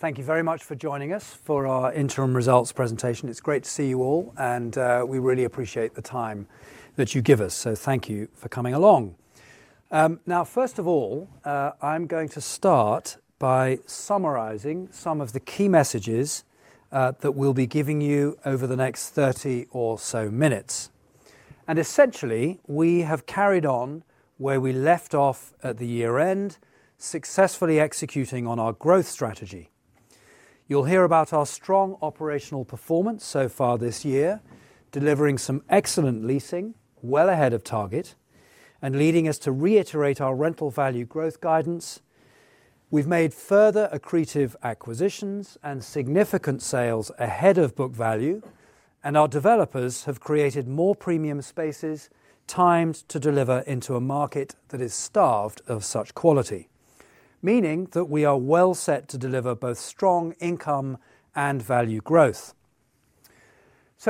Thank you very much for joining us for our interim results presentation. It's great to see you all, and we really appreciate the time that you give us, so thank you for coming along. Now, first of all, I'm going to start by summarizing some of the key messages that we'll be giving you over the next 30 or so minutes. Essentially, we have carried on where we left off at the year-end, successfully executing on our growth strategy. You'll hear about our strong operational performance so far this year, delivering some excellent leasing well ahead of target, and leading us to reiterate our rental value growth guidance. We've made further accretive acquisitions and significant sales ahead of book value, and our developers have created more premium spaces timed to deliver into a market that is starved of such quality, meaning that we are well set to deliver both strong income and value growth.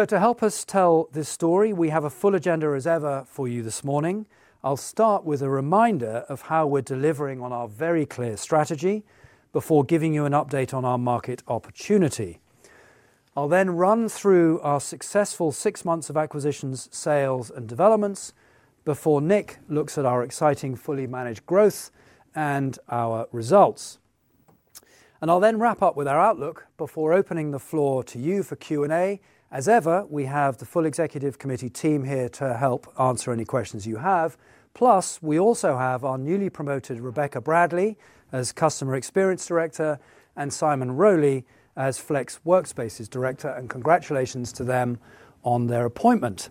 To help us tell this story, we have a full agenda as ever for you this morning. I'll start with a reminder of how we're delivering on our very clear strategy before giving you an update on our market opportunity. I'll then run through our successful six months of acquisitions, sales, and developments before Nick looks at our exciting fully managed growth and our results. I'll then wrap up with our outlook before opening the floor to you for Q&A. As ever, we have the full executive committee team here to help answer any questions you have. Plus, we also have our newly promoted Rebecca Bradley as Customer Experience Director and Simon Rowley as Flex Workspaces Director, and congratulations to them on their appointment.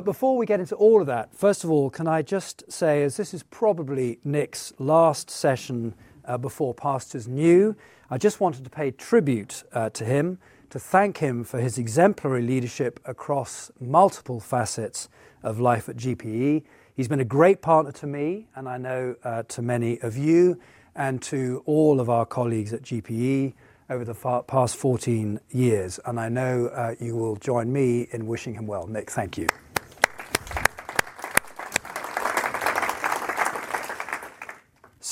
Before we get into all of that, first of all, can I just say, as this is probably Nick's last session before Pastures New, I just wanted to pay tribute to him, to thank him for his exemplary leadership across multiple facets of life at GPE. He's been a great partner to me, and I know to many of you, and to all of our colleagues at GPE over the past 14 years. I know you will join me in wishing him well. Nick, thank you.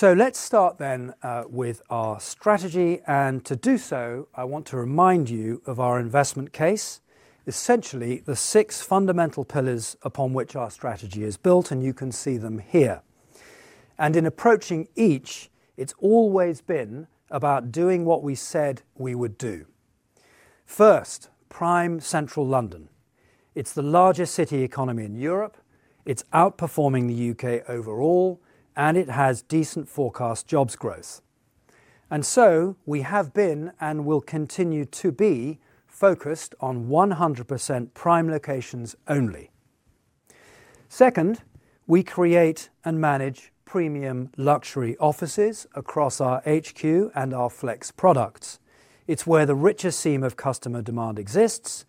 Let's start then with our strategy. To do so, I want to remind you of our investment case, essentially the six fundamental pillars upon which our strategy is built, and you can see them here. In approaching each, it's always been about doing what we said we would do. First, prime central London. It's the largest city economy in Europe. It's outperforming the U.K. overall, and it has decent forecast jobs growth. We have been and will continue to be focused on 100% prime locations only. Second, we create and manage premium luxury offices across our HQ and our Flex products. It's where the richest seam of customer demand exists,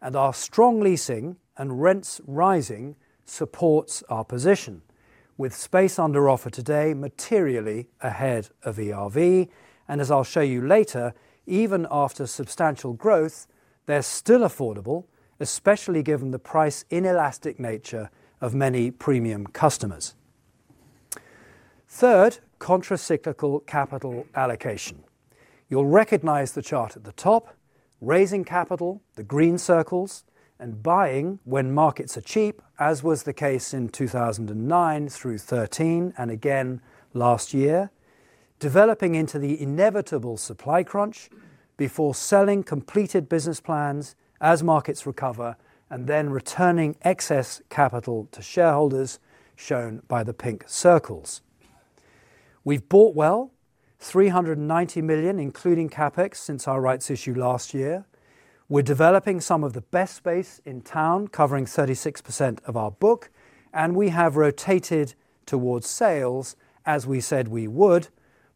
and our strong leasing and rents rising supports our position, with space under offer today materially ahead of ERV. As I'll show you later, even after substantial growth, they're still affordable, especially given the price inelastic nature of many premium customers. Third, contracyclical capital allocation. You'll recognize the chart at the top, raising capital, the green circles, and buying when markets are cheap, as was the case in 2009 through 2013, and again last year, developing into the inevitable supply crunch before selling completed business plans as markets recover, and then returning excess capital to shareholders shown by the pink circles. We've bought well, 390 million, including CapEx, since our rights issue last year. We're developing some of the best space in town, covering 36% of our book, and we have rotated towards sales, as we said we would,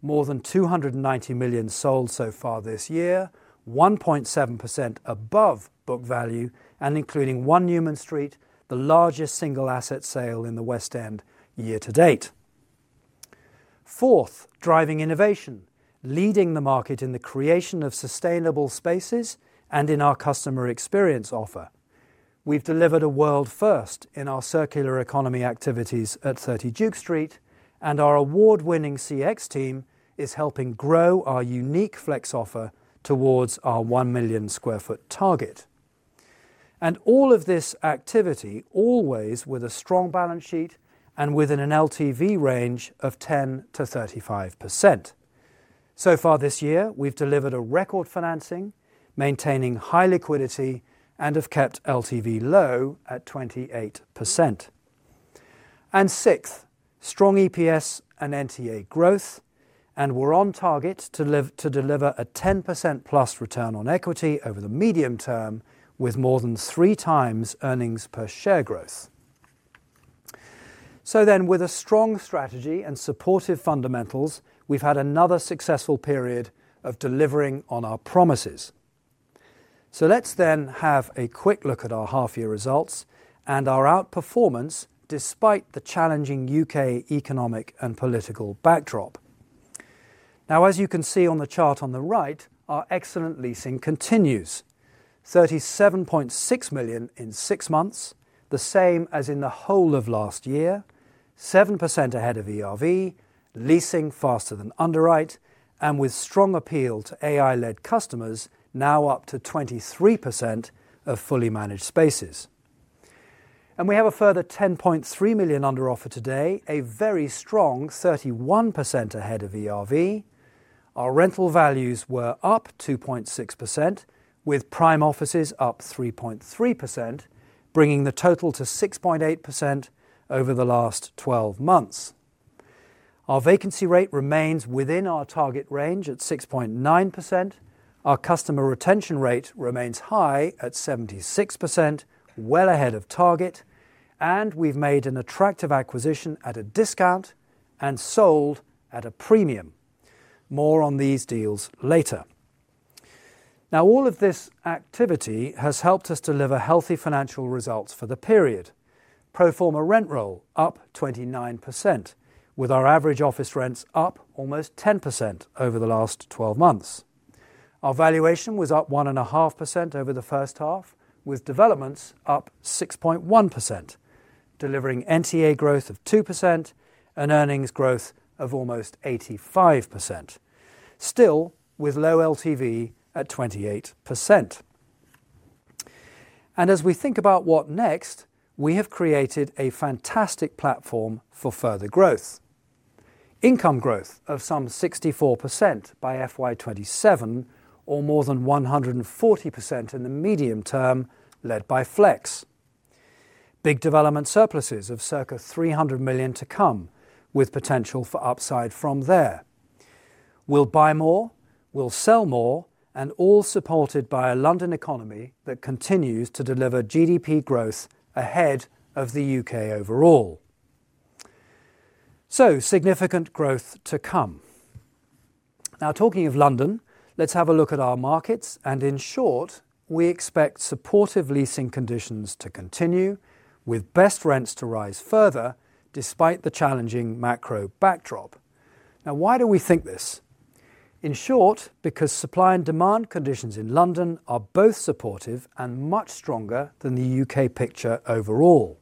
more than 290 million sold so far this year, 1.7% above book value, and including one Newman Street, the largest single asset sale in the West End year to date. Fourth, driving innovation, leading the market in the creation of sustainable spaces and in our customer experience offer. we've delivered a world first in our circular economy activities at 30 Duke Street, and our award-winning CX team is helping grow our unique Flex offer toward our 1 million sq ft target. All of this activity is always with a strong balance sheet and within an LTV range of 10-35%. So far this year, we've delivered a record financing, maintaining high liquidity, and have kept LTV low at 28%. Sixth, strong EPS and NTA growth, and we are on target to deliver a 10%+ return on equity over the medium term, with more than three times earnings per share growth. With a strong strategy and supportive fundamentals, we have had another successful period of delivering on our promises. Let's have a quick look at our half-year results and our outperformance despite the challenging U.K. economic and political backdrop. Now, as you can see on the chart on the right, our excellent leasing continues, 37.6 million in six months, the same as in the whole of last year, 7% ahead of ERV, leasing faster than underwrite, and with strong appeal to AI-led customers, now up to 23% of fully managed spaces. We have a further 10.3 million under offer today, a very strong 31% ahead of ERV. Our rental values were up 2.6%, with prime offices up 3.3%, bringing the total to 6.8% over the last 12 months. Our vacancy rate remains within our target range at 6.9%. Our customer retention rate remains high at 76%, well ahead of target, and we've made an attractive acquisition at a discount and sold at a premium. More on these deals later. All of this activity has helped us deliver healthy financial results for the period. Proforma rent roll up 29%, with our average office rents up almost 10% over the last 12 months. Our valuation was up 1.5% over the first half, with developments up 6.1%, delivering NTA growth of 2% and earnings growth of almost 85%, still with low LTV at 28%. As we think about what next, we have created a fantastic platform for further growth. Income growth of some 64% by FY 2027, or more than 140% in the medium term led by Flex. Big development surpluses of circa 300 million to come, with potential for upside from there. We'll buy more, we'll sell more, all supported by a London economy that continues to deliver GDP growth ahead of the U.K. overall. Significant growth to come. Now, talking of London, let's have a look at our markets, and in short, we expect supportive leasing conditions to continue, with best rents to rise further despite the challenging macro backdrop. Now, why do we think this? In short, because supply and demand conditions in London are both supportive and much stronger than the U.K. picture overall.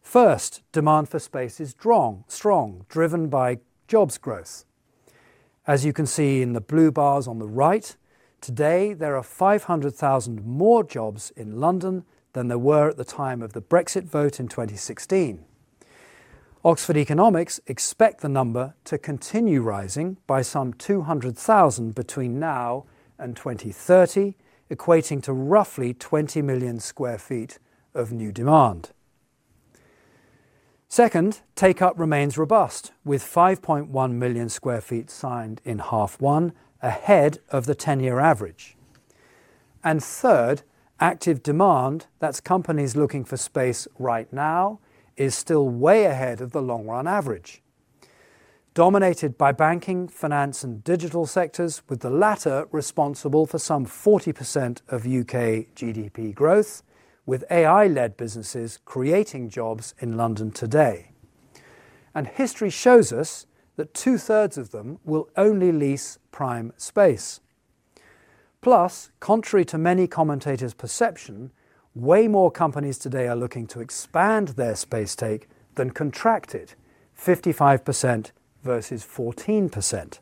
First, demand for space is strong, driven by jobs growth. As you can see in the blue bars on the right, today there are 500,000 more jobs in London than there were at the time of the Brexit vote in 2016. Oxford Economics expect the number to continue rising by some 200,000 between now and 2030, equating to roughly 20 million sq ft of new demand. Second, take-up remains robust, with 5.1 million sq ft signed in half one ahead of the 10-year average. Third, active demand—that is, companies looking for space right now—is still way ahead of the long-run average. It is dominated by banking, finance, and digital sectors, with the latter responsible for some 40% of U.K. GDP growth, with AI-led businesses creating jobs in London today. History shows us that two-thirds of them will only lease prime space. Plus, contrary to many commentators' perception, way more companies today are looking to expand their space take than contract it, 55% versus 14%.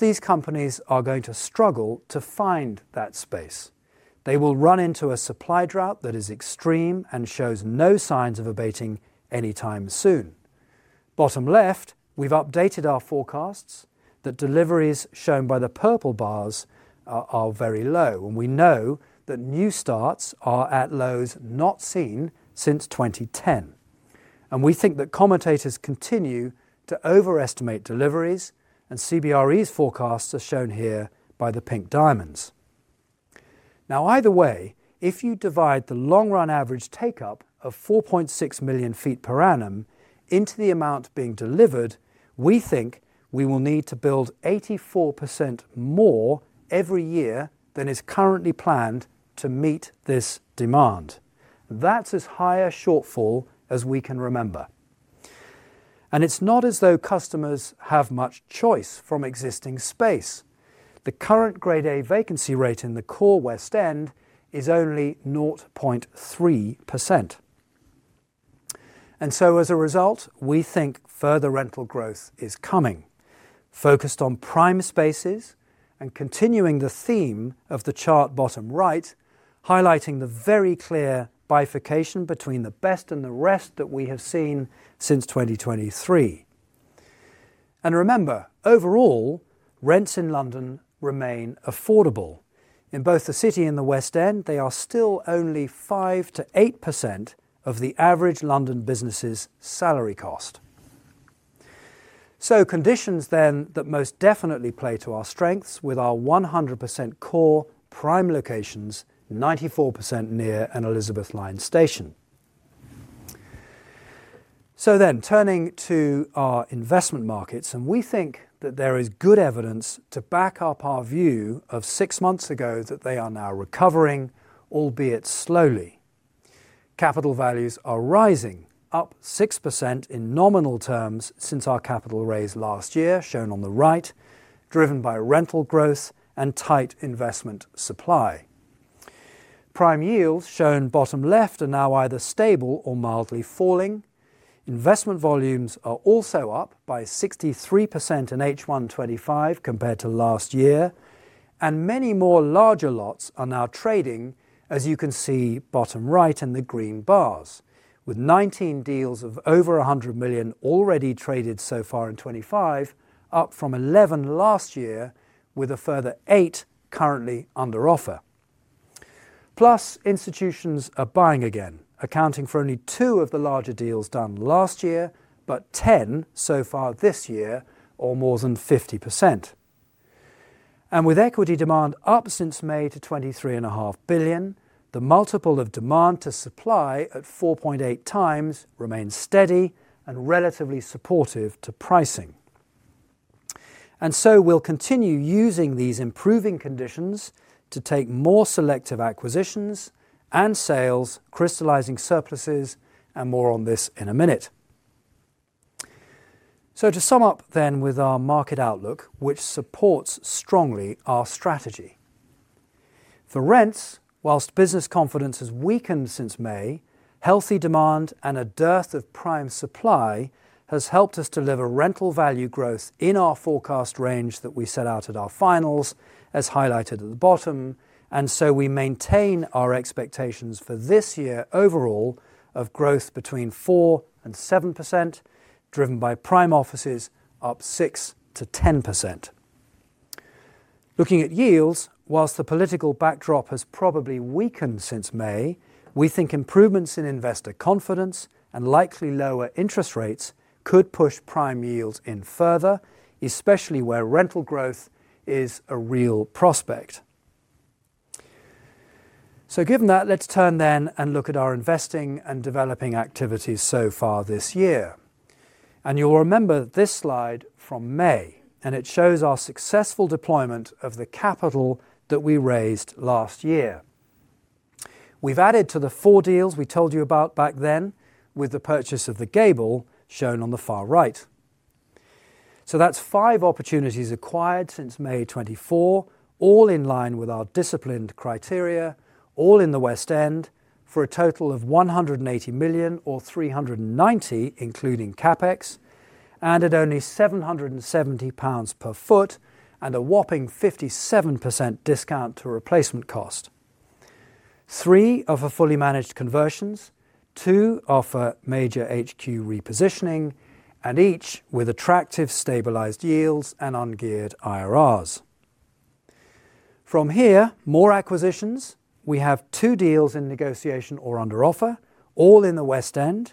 These companies are going to struggle to find that space. They will run into a supply drought that is extreme and shows no signs of abating anytime soon. Bottom left, we have updated our forecasts that deliveries, shown by the purple bars, are very low, and we know that new starts are at lows not seen since 2010. We think that commentators continue to overestimate deliveries, and CBRE's forecasts are shown here by the pink diamonds. Now, either way, if you divide the long-run average take-up of 4.6 million sq ft per annum into the amount being delivered, we think we will need to build 84% more every year than is currently planned to meet this demand. That is as high a shortfall as we can remember. It is not as though customers have much choice from existing space. The current Grade A vacancy rate in the core West End is only 0.3%. As a result, we think further rental growth is coming, focused on prime spaces and continuing the theme of the chart bottom right, highlighting the very clear bifurcation between the best and the rest that we have seen since 2023. Remember, overall, rents in London remain affordable. In both the City and the West End, they are still only 5%-8% of the average London business's salary cost. Conditions then that most definitely play to our strengths with our 100% core prime locations, 94% near an Elizabeth Line station. Turning to our investment markets, we think that there is good evidence to back up our view of six months ago that they are now recovering, albeit slowly. Capital values are rising, up 6% in nominal terms since our capital raise last year, shown on the right, driven by rental growth and tight investment supply. Prime yields shown bottom left are now either stable or mildly falling. Investment volumes are also up by 63% in H1 2025 compared to last year, and many more larger lots are now trading, as you can see bottom right in the green bars, with 19 deals of over 100 million already traded so far in 2025, up from 11 last year, with a further eight currently under offer. Plus, institutions are buying again, accounting for only two of the larger deals done last year, but 10 so far this year, or more than 50%. With equity demand up since May to 23.5 billion, the multiple of demand to supply at 4.8 times remains steady and relatively supportive to pricing. We will continue using these improving conditions to take more selective acquisitions and sales, crystalizing surpluses, and more on this in a minute. To sum up then with our market outlook, which supports strongly our strategy. For rents, whilst business confidence has weakened since May, healthy demand and a dearth of prime supply has helped us deliver rental value growth in our forecast range that we set out at our finals, as highlighted at the bottom, and so we maintain our expectations for this year overall of growth between 4% and 7%, driven by prime offices up 6%-10%. Looking at yields, whilst the political backdrop has probably weakened since May, we think improvements in investor confidence and likely lower interest rates could push prime yields in further, especially where rental growth is a real prospect. Given that, let's turn then and look at our investing and developing activities so far this year. You'll remember this slide from May, and it shows our successful deployment of the capital that we raised last year. We've added to the four deals we told you about back then with the purchase of the Gable shown on the far right. That's five opportunities acquired since May 2024, all in line with our disciplined criteria, all in the West End, for a total of 180 million or 390 million including CapEx, and at only 770 pounds per sq ft and a whopping 57% discount to replacement cost. Three offer fully managed conversions, two offer major HQ repositioning, and each with attractive stabilized yields and ungeared IRRs. From here, more acquisitions, we have two deals in negotiation or under offer, all in the West End,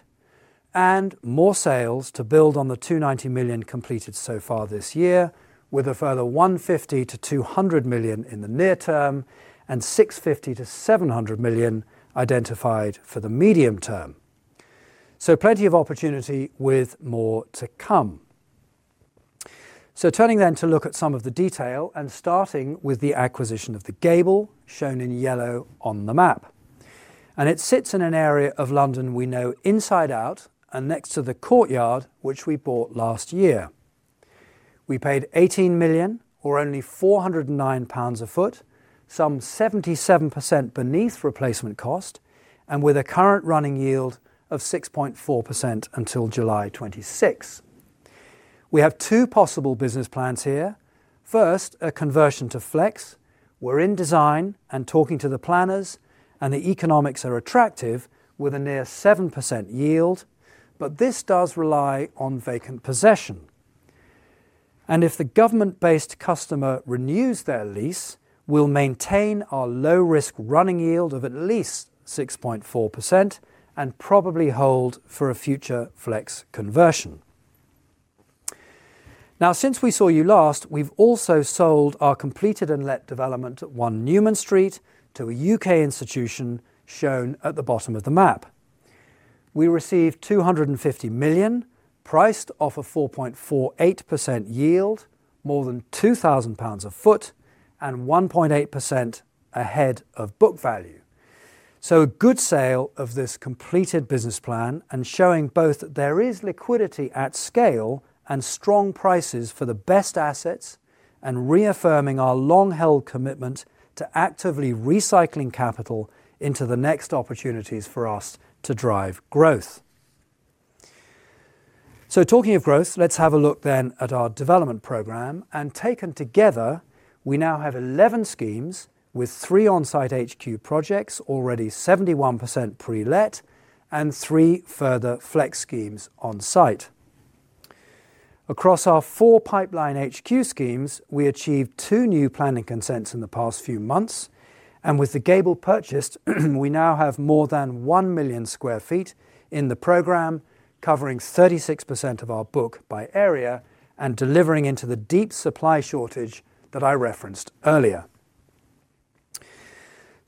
and more sales to build on the 290 million completed so far this year, with a further 150-200 million in the near term and 650-700 million identified for the medium term. Plenty of opportunity with more to come. Turning then to look at some of the detail and starting with the acquisition of The Gable shown in yellow on the map. It sits in an area of London we know inside out and next to the Courtyard which we bought last year. We paid 18 million or only 409 pounds a sq ft, some 77% beneath replacement cost, and with a current running yield of 6.4% until July 2026. We have two possible business plans here. First, a conversion to Flex. We are in design and talking to the planners, and the economics are attractive with a near 7% yield, but this does rely on vacant possession. If the government-based customer renews their lease, we will maintain our low-risk running yield of at least 6.4% and probably hold for a future Flex conversion. Now, since we saw you last, we've also sold our completed and let development at 1 Newman Street to a U.K. institution shown at the bottom of the map. We received 250 million, priced off a 4.48% yield, more than 2,000 pounds a foot, and 1.8% ahead of book value. A good sale of this completed business plan and showing both that there is liquidity at scale and strong prices for the best assets and reaffirming our long-held commitment to actively recycling capital into the next opportunities for us to drive growth. Talking of growth, let's have a look then at our development program, and taken together, we now have 11 schemes with three on-site HQ projects, already 71% pre-let, and three further Flex schemes on-site. Across our four pipeline HQ schemes, we achieved two new planning consents in the past few months, and with The Gable purchased, we now have more than 1 million sq ft in the program, covering 36% of our book by area and delivering into the deep supply shortage that I referenced earlier.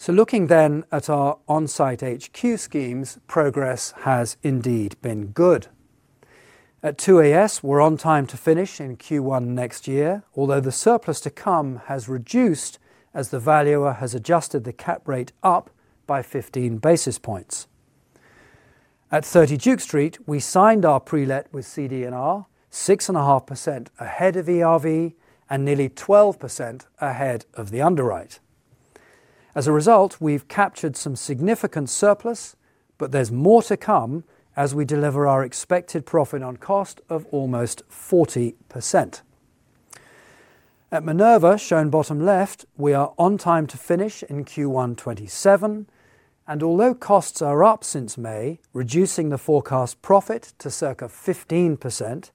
Looking then at our on-site HQ schemes, progress has indeed been good. At 2 Arlington Street, we are on time to finish in Q1 next year, although the surplus to come has reduced as the valuer has adjusted the cap rate up by 15 basis points. At 30 Duke Street, we signed our pre-let with Cundall, 6.5% ahead of ERV and nearly 12% ahead of the underwrite. As a result, we have captured some significant surplus, but there is more to come as we deliver our expected profit on cost of almost 40%. At Minerva, shown bottom left, we are on time to finish in Q1 2027, and although costs are up since May, reducing the forecast profit to circa 15%,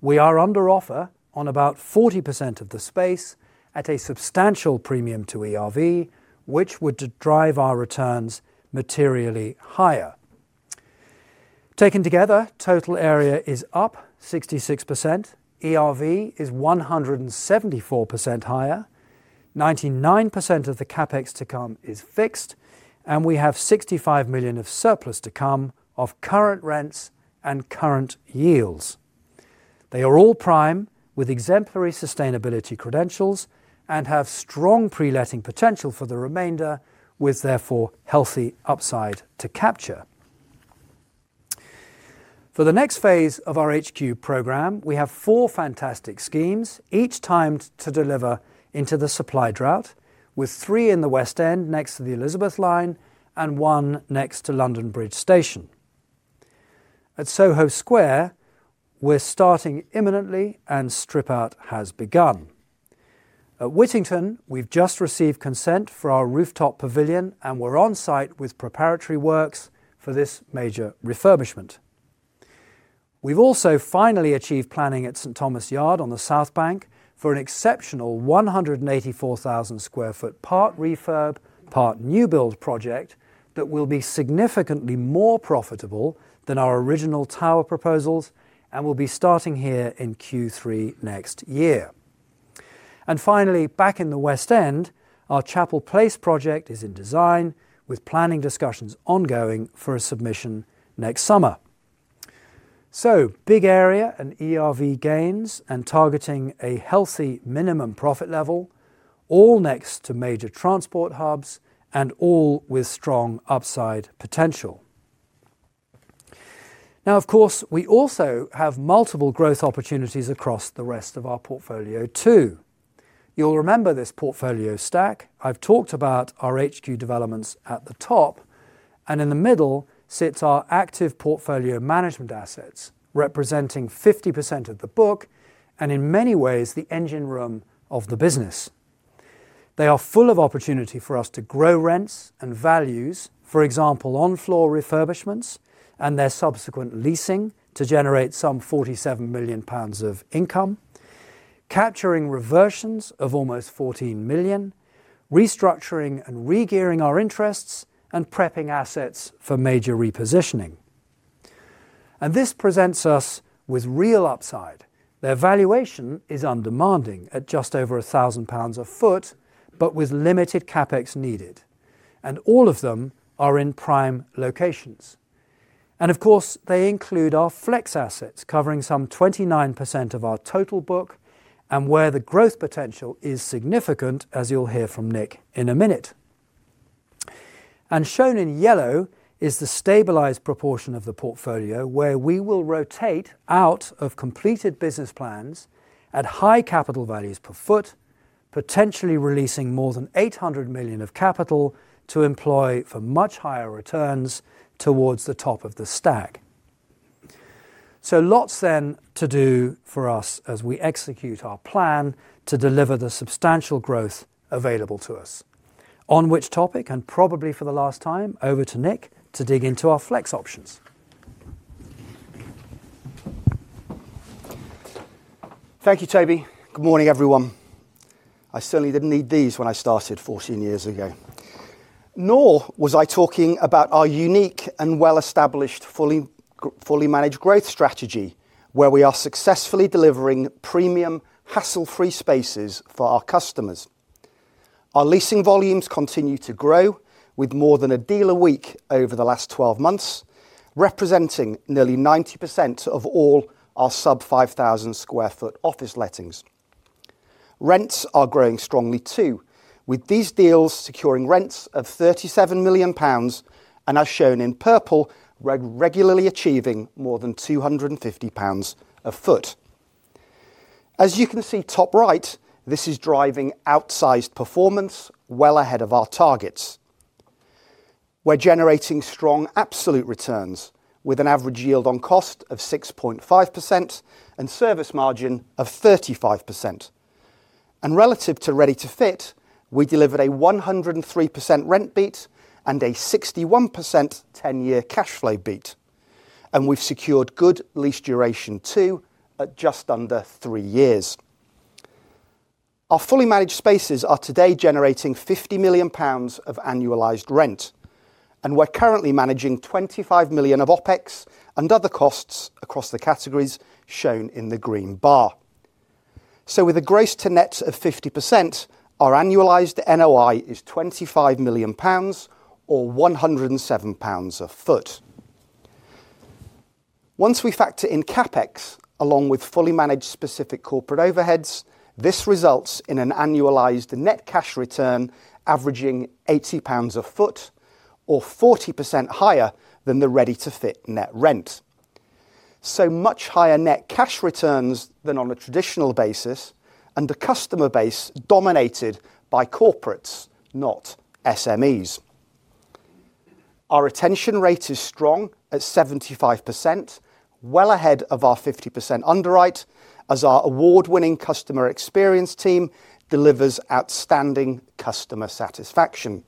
we are under offer on about 40% of the space at a substantial premium to ERV, which would drive our returns materially higher. Taken together, total area is up 66%, ERV is 174% higher, 99% of the CapEx to come is fixed, and we have 65 million of surplus to come of current rents and current yields. They are all prime with exemplary sustainability credentials and have strong pre-letting potential for the remainder, with therefore healthy upside to capture. For the next phase of our HQ program, we have four fantastic schemes, each timed to deliver into the supply drought, with three in the West End next to the Elizabeth Line and one next to London Bridge Station. At Soho Square, we're starting imminently and strip-out has begun. At Whittington, we've just received consent for our rooftop pavilion, and we're on site with preparatory works for this major refurbishment. We've also finally achieved planning at St Thomas Yard on the South Bank for an exceptional 184,000 sq ft park refurb, park new build project that will be significantly more profitable than our original tower proposals and will be starting here in Q3 next year. Finally, back in the West End, our Chapel Place project is in design, with planning discussions ongoing for a submission next summer. Big area and ERV gains and targeting a healthy minimum profit level, all next to major transport hubs and all with strong upside potential. Now, of course, we also have multiple growth opportunities across the rest of our portfolio too. You'll remember this portfolio stack. I've talked about our HQ developments at the top, and in the middle sits our active portfolio management assets, representing 50% of the book and in many ways the engine room of the business. They are full of opportunity for us to grow rents and values, for example, on-floor refurbishments and their subsequent leasing to generate some 47 million pounds of income, capturing reversions of almost 14 million, restructuring and regearing our interests, and prepping assets for major repositioning. This presents us with real upside. Their valuation is undemanding at just over 1,000 pounds a foot, with limited CapEx needed, and all of them are in prime locations. They include our Flex assets covering some 29% of our total book and where the growth potential is significant, as you'll hear from Nick in a minute. Shown in yellow is the stabilized proportion of the portfolio where we will rotate out of completed business plans at high capital values per foot, potentially releasing more than 800 million of capital to employ for much higher returns towards the top of the stack. Lots then to do for us as we execute our plan to deliver the substantial growth available to us. On which topic, and probably for the last time, over to Nick to dig into our Flex options. Thank you, Toby. Good morning, everyone. I certainly did not need these when I started 14 years ago. Nor was I talking about our unique and well-established fully managed growth strategy, where we are successfully delivering premium hassle-free spaces for our customers. Our leasing volumes continue to grow with more than a deal a week over the last 12 months, representing nearly 90% of all our sub-5,000 sq ft office lettings. Rents are growing strongly too, with these deals securing rents of 37 million pounds and, as shown in purple, regularly achieving more than 250 pounds a foot. As you can see top right, this is driving outsized performance well ahead of our targets. We're generating strong absolute returns with an average yield on cost of 6.5% and service margin of 35%. Relative to ready to fit, we delivered a 103% rent beat and a 61% 10-year cash flow beat. We've secured good lease duration too at just under three years. Our fully managed spaces are today generating 50 million pounds of annualized rent, and we're currently managing 25 million of OpEx and other costs across the categories shown in the green bar. With a gross to net of 50%, our annualized NOI is 25 million pounds or 107 pounds a sq ft. Once we factor in CapEx, along with fully managed specific corporate overheads, this results in an annualized net cash return averaging 80 pounds a sq ft or 40% higher than the ready to fit net rent. Much higher net cash returns than on a traditional basis and a customer base dominated by corporates, not SMEs. Our retention rate is strong at 75%, well ahead of our 50% underwrite, as our award-winning customer experience team delivers outstanding customer satisfaction.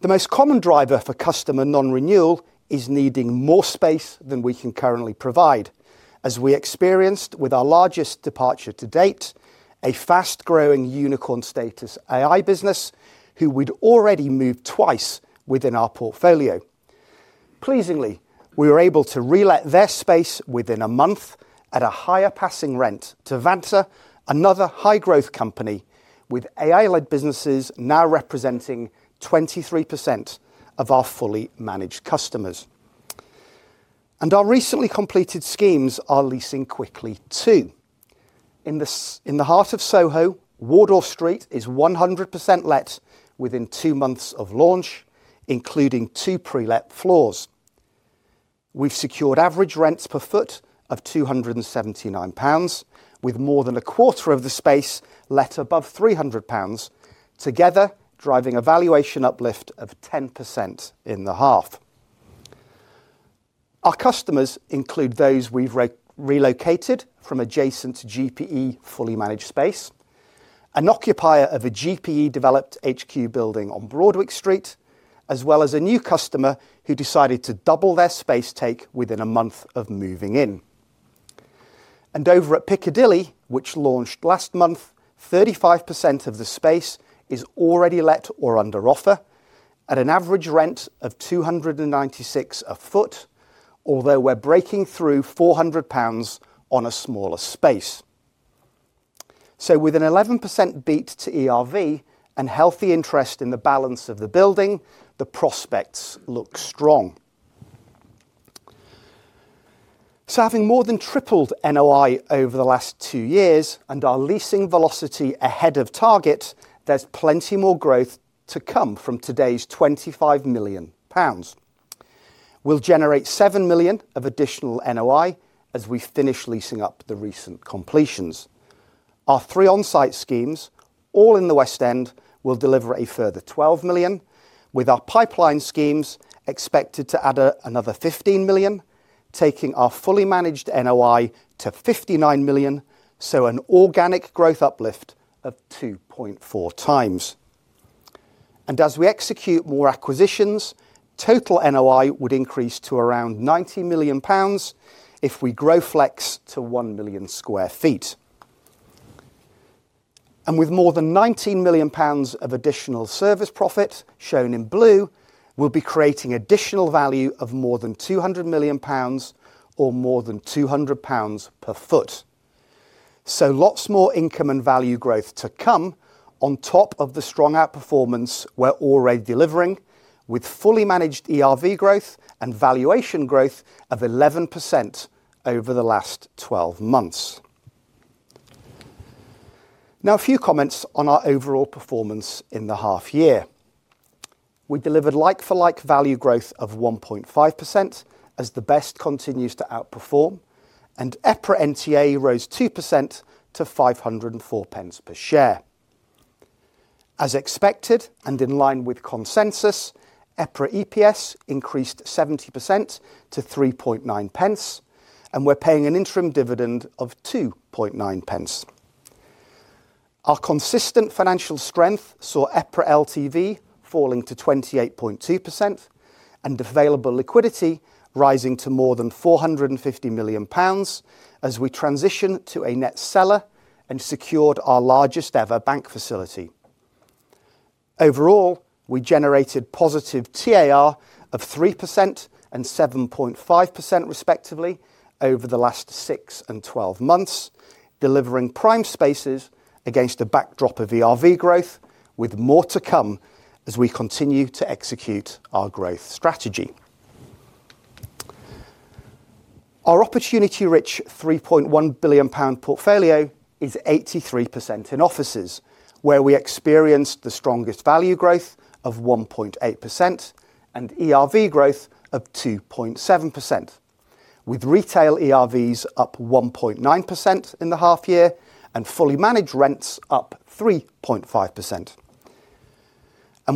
The most common driver for customer non-renewal is needing more space than we can currently provide, as we experienced with our largest departure to date, a fast-growing unicorn status AI business who we'd already moved twice within our portfolio. Pleasingly, we were able to re-let their space within a month at a higher passing rent to Vanta, another high-growth company, with AI-led businesses now representing 23% of our fully managed customers. Our recently completed schemes are leasing quickly too. In the heart of Soho, Wardour Street is 100% let within two months of launch, including two pre-let floors. We have secured average rents per foot of 279 pounds, with more than a quarter of the space let above 300 pounds, together driving a valuation uplift of 10% in the half. Our customers include those we've relocated from adjacent GPE fully managed space, an occupier of a GPE developed HQ building on Broadwick Street, as well as a new customer who decided to double their space take within a month of moving in. Over at Piccadilly, which launched last month, 35% of the space is already let or under offer at an average rent of 296 a sq ft, although we're breaking through 400 pounds on a smaller space. With an 11% beat to ERV and healthy interest in the balance of the building, the prospects look strong. Having more than tripled NOI over the last two years and our leasing velocity ahead of target, there's plenty more growth to come from today's 25 million pounds. We'll generate 7 million of additional NOI as we finish leasing up the recent completions. Our three on-site schemes, all in the West End, will deliver a further 12 million, with our pipeline schemes expected to add another 15 million, taking our fully managed NOI to 59 million, so an organic growth uplift of 2.4 times. As we execute more acquisitions, total NOI would increase to around 90 million pounds if we grow Flex to 1 million sq ft. With more than 19 million pounds of additional service profit shown in blue, we will be creating additional value of more than 200 million pounds or more than 200 pounds per sq ft. Lots more income and value growth to come on top of the strong outperformance we are already delivering, with fully managed ERV growth and valuation growth of 11% over the last 12 months. Now, a few comments on our overall performance in the half year. We delivered like-for-like value growth of 1.5% as the best continues to outperform, and EPRA NTA rose 2% to 5.04 per share. As expected and in line with consensus, EPRA EPS increased 70% to 0.039, and we're paying an interim dividend of 0.029. Our consistent financial strength saw EPRA LTV falling to 28.2% and available liquidity rising to more than 450 million pounds as we transitioned to a net seller and secured our largest ever bank facility. Overall, we generated positive TAR of 3% and 7.5% respectively over the last 6 and 12 months, delivering prime spaces against a backdrop of ERV growth, with more to come as we continue to execute our growth strategy. Our opportunity-rich 3.1 billion pound portfolio is 83% in offices, where we experienced the strongest value growth of 1.8% and ERV growth of 2.7%, with retail ERVs up 1.9% in the half year and fully managed rents up 3.5%.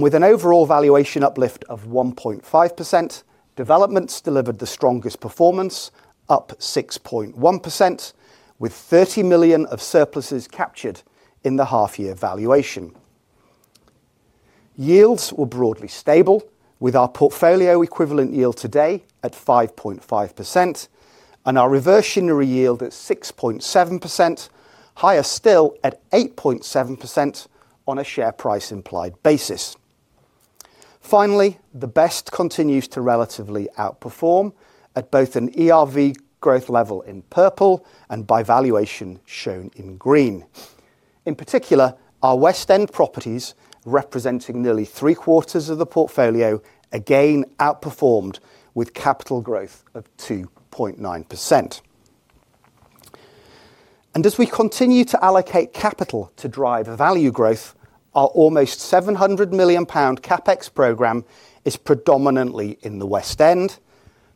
With an overall valuation uplift of 1.5%, developments delivered the strongest performance up 6.1%, with 30 million of surpluses captured in the half-year valuation. Yields were broadly stable, with our portfolio equivalent yield today at 5.5% and our reversionary yield at 6.7%, higher still at 8.7% on a share price implied basis. Finally, the best continues to relatively outperform at both an ERV growth level in purple and by valuation shown in green. In particular, our West End properties, representing nearly three quarters of the portfolio, again outperformed with capital growth of 2.9%. As we continue to allocate capital to drive value growth, our almost 700 million pound CapEx program is predominantly in the West End,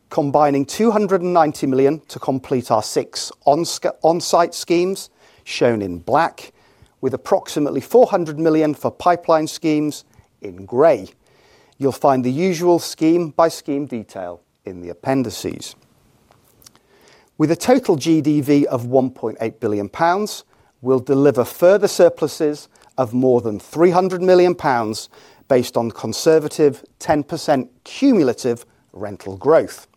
combining 290 million to complete our six on-site schemes shown in black, with approximately 400 million for pipeline schemes in gray. You will find the usual scheme-by-scheme detail in the appendices. With a total GDV of 1.8 billion pounds, we will deliver further surpluses of more than 300 million pounds based on conservative 10% cumulative rental growth.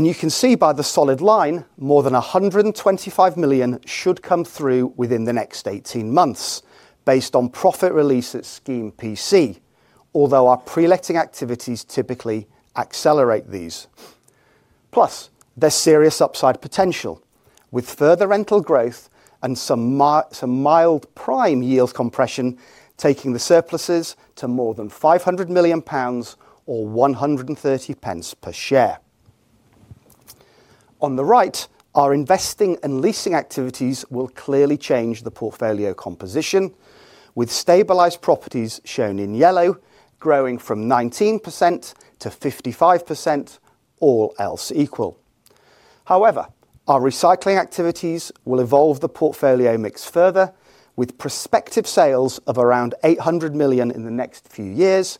You can see by the solid line, more than 125 million should come through within the next 18 months based on profit release at scheme PC, although our pre-letting activities typically accelerate these. Plus, there is serious upside potential with further rental growth and some mild prime yield compression taking the surpluses to more than 500 million pounds or 130 pence per share. On the right, our investing and leasing activities will clearly change the portfolio composition, with stabilized properties shown in yellow growing from 19% to 55%, all else equal. However, our recycling activities will evolve the portfolio mix further, with prospective sales of around 800 million in the next few years,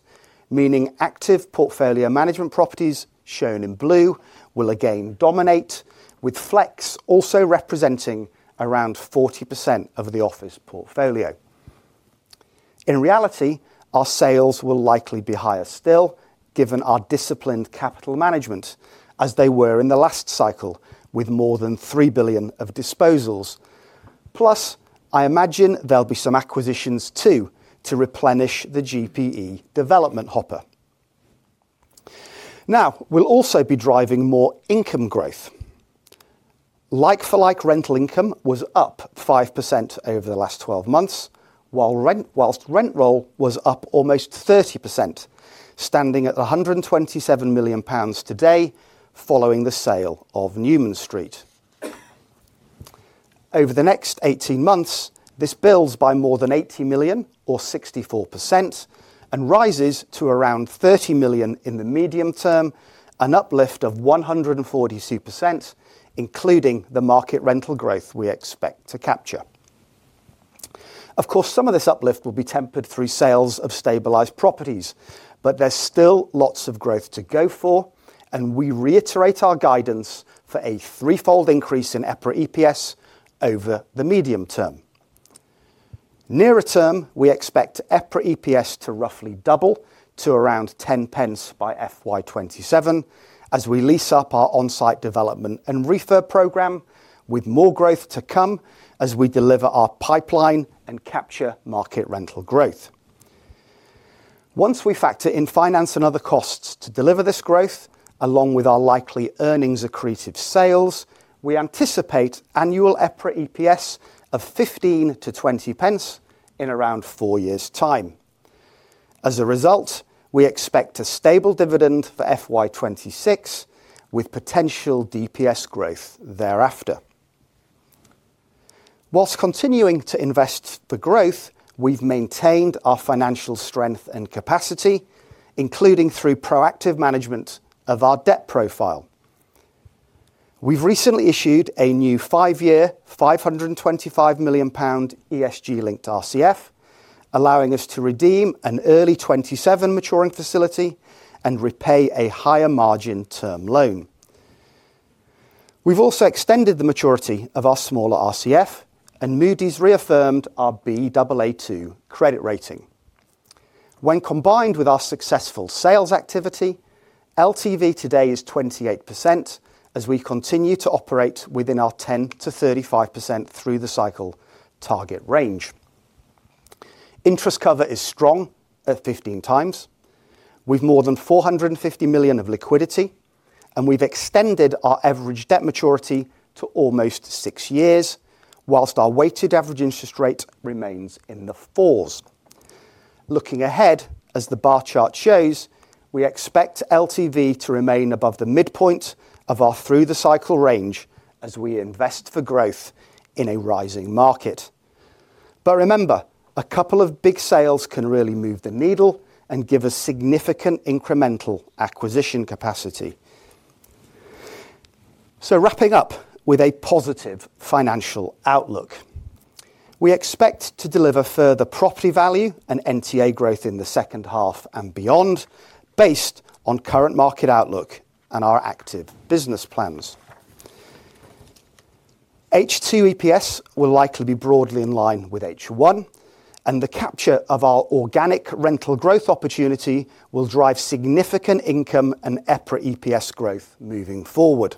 meaning active portfolio management properties shown in blue will again dominate, with Flex also representing around 40% of the office portfolio. In reality, our sales will likely be higher still given our disciplined capital management, as they were in the last cycle with more than 3 billion of disposals. Plus, I imagine there'll be some acquisitions too to replenish the GPE development hopper. Now, we'll also be driving more income growth. Like-for-like rental income was up 5% over the last 12 months, whilst rent roll was up almost 30%, standing at 127 million pounds today following the sale of Newman Street. Over the next 18 months, this builds by more than 80 million or 64% and rises to around 30 million in the medium term, an uplift of 142%, including the market rental growth we expect to capture. Of course, some of this uplift will be tempered through sales of stabilized properties, but there's still lots of growth to go for, and we reiterate our guidance for a threefold increase in EPRA EPS over the medium term. Nearer term, we expect EPRA EPS to roughly double to around 0.10 by FY 2027 as we lease up our on-site development and reefer program, with more growth to come as we deliver our pipeline and capture market rental growth. Once we factor in finance and other costs to deliver this growth, along with our likely earnings accretive sales, we anticipate annual EPRA EPS of 15-20 pence in around four years' time. As a result, we expect a stable dividend for FY 2026 with potential DPS growth thereafter. Whilst continuing to invest for growth, we've maintained our financial strength and capacity, including through proactive management of our debt profile. We've recently issued a new five-year 525 million pound ESG-linked RCF, allowing us to redeem an early 2027 maturing facility and repay a higher margin term loan. We've also extended the maturity of our smaller RCF, and Moody's reaffirmed our Baa2 credit rating. When combined with our successful sales activity, LTV today is 28% as we continue to operate within our 10-35% through the cycle target range. Interest cover is strong at 15 times. We've more than 450 million of liquidity, and we've extended our average debt maturity to almost six years, whilst our weighted average interest rate remains in the fours. Looking ahead, as the bar chart shows, we expect LTV to remain above the midpoint of our through-the-cycle range as we invest for growth in a rising market. Remember, a couple of big sales can really move the needle and give us significant incremental acquisition capacity. Wrapping up with a positive financial outlook, we expect to deliver further property value and NTA growth in the second half and beyond, based on current market outlook and our active business plans. H2 EPS will likely be broadly in line with H1, and the capture of our organic rental growth opportunity will drive significant income and EPRA EPS growth moving forward,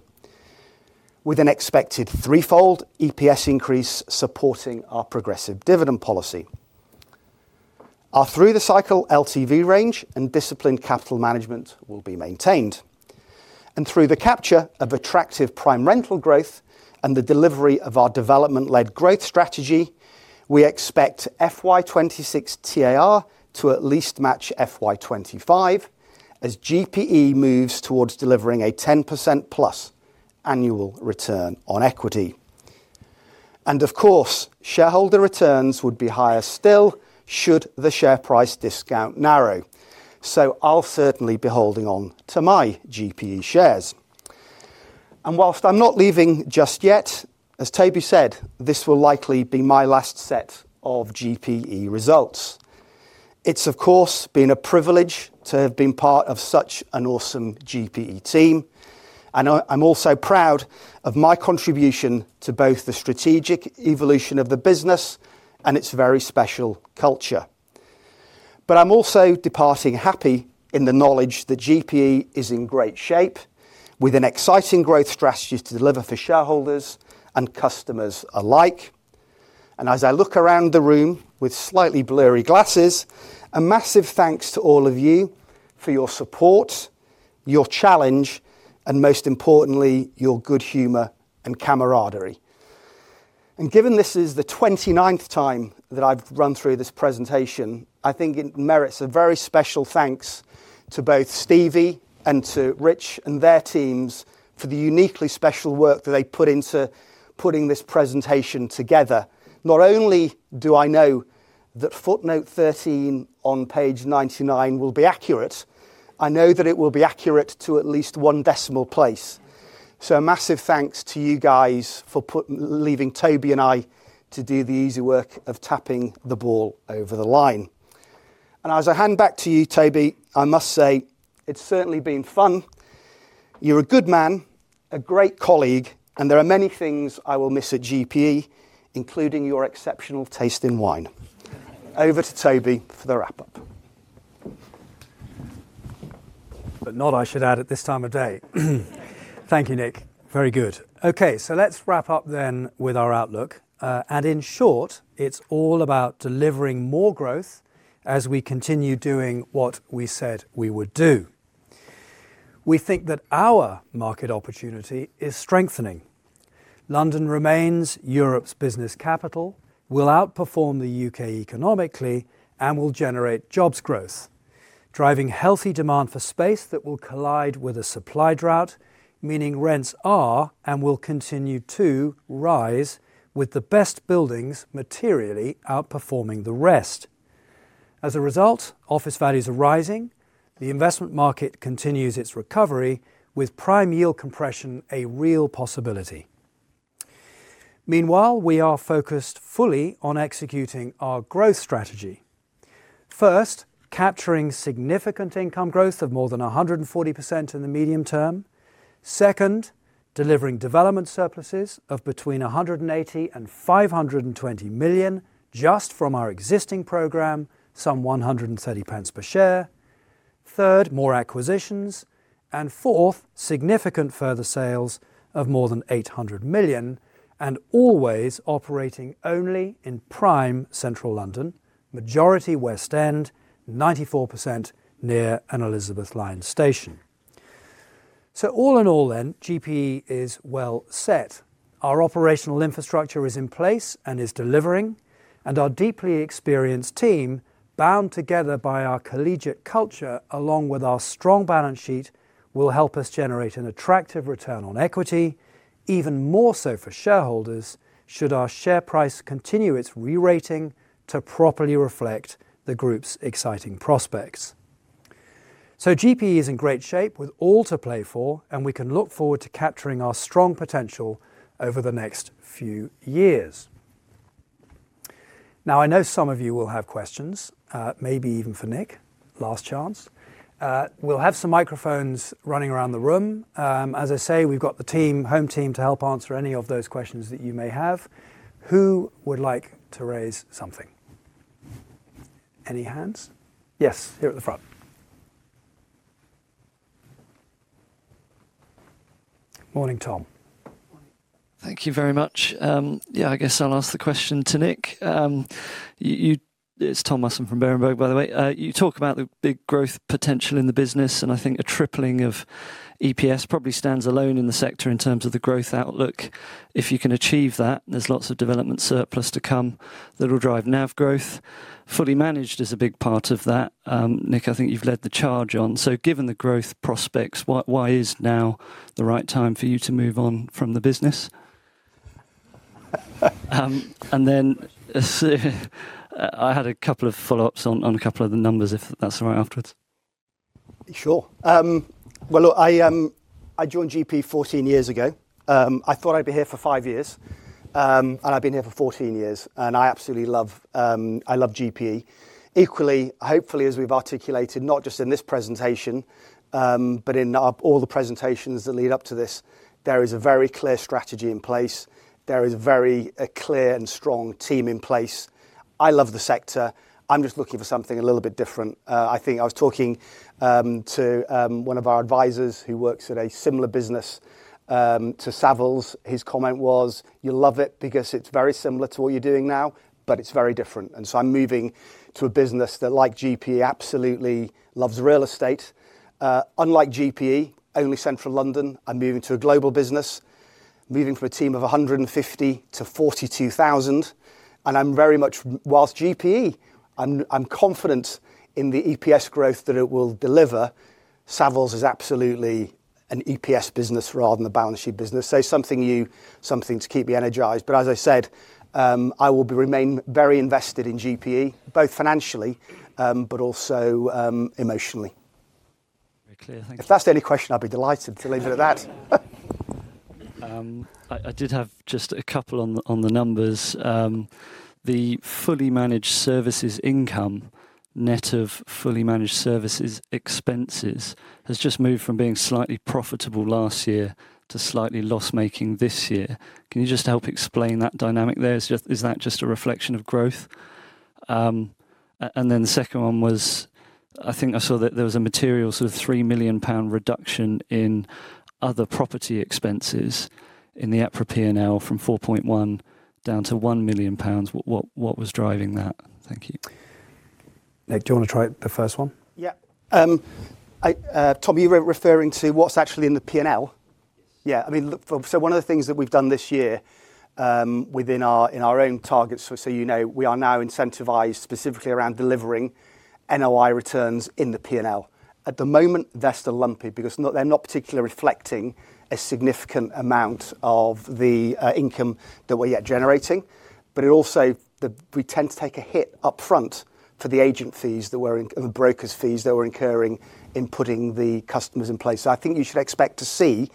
with an expected threefold EPS increase supporting our progressive dividend policy. Our through-the-cycle LTV range and disciplined capital management will be maintained. Through the capture of attractive prime rental growth and the delivery of our development-led growth strategy, we expect FY 2026 TAR to at least match FY 2025 as GPE moves towards delivering a 10%+ annual return on equity. Of course, shareholder returns would be higher still should the share price discount narrow, so I'll certainly be holding on to my GPE shares. Whilst I'm not leaving just yet, as Toby said, this will likely be my last set of GPE results. It has, of course, been a privilege to have been part of such an awesome GPE team, and I'm also proud of my contribution to both the strategic evolution of the business and its very special culture. I am also departing happy in the knowledge that GPE is in great shape, with an exciting growth strategy to deliver for shareholders and customers alike. As I look around the room with slightly blurry glasses, a massive thanks to all of you for your support, your challenge, and most importantly, your good humor and camaraderie. Given this is the 29th time that I have run through this presentation, I think it merits a very special thanks to both Stevie and to Rich and their teams for the uniquely special work that they put into putting this presentation together. Not only do I know that footnote 13 on page 99 will be accurate, I know that it will be accurate to at least one decimal place. So, a massive thanks to you guys for leaving Toby and I to do the easy work of tapping the ball over the line. As I hand back to you, Toby, I must say it's certainly been fun. You're a good man, a great colleague, and there are many things I will miss at GPE, including your exceptional taste in wine. Over to Toby for the wrap-up. Not, I should add, at this time of day. Thank you, Nick. Very good. Okay, let's wrap up then with our outlook. In short, it's all about delivering more growth as we continue doing what we said we would do. We think that our market opportunity is strengthening. London remains Europe's business capital, will outperform the U.K. economically, and will generate jobs growth, driving healthy demand for space that will collide with a supply drought, meaning rents are and will continue to rise with the best buildings materially outperforming the rest. As a result, office values are rising. The investment market continues its recovery, with prime yield compression a real possibility. Meanwhile, we are focused fully on executing our growth strategy. First, capturing significant income growth of more than 140% in the medium term. Second, delivering development surpluses of between 180 million-520 million just from our existing program, some 130 pence per share. Third, more acquisitions. Fourth, significant further sales of more than 800 million, and always operating only in prime central London, majority West End, 94% near an Elizabeth Line station. All in all then, GPE is well set. Our operational infrastructure is in place and is delivering, and our deeply experienced team, bound together by our collegiate culture along with our strong balance sheet, will help us generate an attractive return on equity, even more so for shareholders should our share price continue its re-rating to properly reflect the group's exciting prospects. GPE is in great shape with all to play for, and we can look forward to capturing our strong potential over the next few years. Now, I know some of you will have questions, maybe even for Nick, last chance. We'll have some microphones running around the room. As I say, we've got the team, home team, to help answer any of those questions that you may have. Who would like to raise something? Any hands? Yes, here at the front. Morning, Tom. Thank you very much. Yeah, I guess I'll ask the question to Nick. It's Tom Musson from Berenberg, by the way. You talk about the big growth potential in the business, and I think a tripling of EPS probably stands alone in the sector in terms of the growth outlook. If you can achieve that, there's lots of development surplus to come that will drive NAV growth. Fully Managed is a big part of that. Nick, I think you've led the charge on. Given the growth prospects, why is now the right time for you to move on from the business? I had a couple of follow-ups on a couple of the numbers, if that's all right afterwards. Sure. I joined GPE 14 years ago. I thought I'd be here for five years, and I've been here for 14 years, and I absolutely love GPE. Equally, hopefully, as we've articulated, not just in this presentation, but in all the presentations that lead up to this, there is a very clear strategy in place. There is a very clear and strong team in place. I love the sector. I'm just looking for something a little bit different. I think I was talking to one of our advisors who works at a similar business to Savills. His comment was, "You'll love it because it's very similar to what you're doing now, but it's very different." I am moving to a business that, like GPE, absolutely loves real estate. Unlike GPE, only central London, I'm moving to a global business, moving from a team of 150 to 42,000. I am very much, whilst GPE, I'm confident in the EPS growth that it will deliver. Savills is absolutely an EPS business rather than a balance sheet business. Something to keep me energized. As I said, I will remain very invested in GPE, both financially, but also emotionally. Very clear. Thank you. If that is the only question, I will be delighted to leave it at that. I did have just a couple on the numbers. The fully managed services income, net of fully managed services expenses, has just moved from being slightly profitable last year to slightly loss-making this year. Can you just help explain that dynamic there? Is that just a reflection of growth? The second one was, I think I saw that there was a material sort of 3 million pound reduction in other property expenses in the EPRA P&L from 4.1 million down to 1 million pounds. What was driving that? Thank you. Nick, do you want to try the first one? Yeah. Tom, you were referring to what is actually in the P&L? Yeah. I mean, so one of the things that we've done this year within our own targets, so you know we are now incentivized specifically around delivering NOI returns in the P&L. At the moment, they're still lumpy because they're not particularly reflecting a significant amount of the income that we're yet generating. It also, we tend to take a hit upfront for the agent fees that we're and the broker's fees that we're incurring in putting the customers in place. I think you should expect to see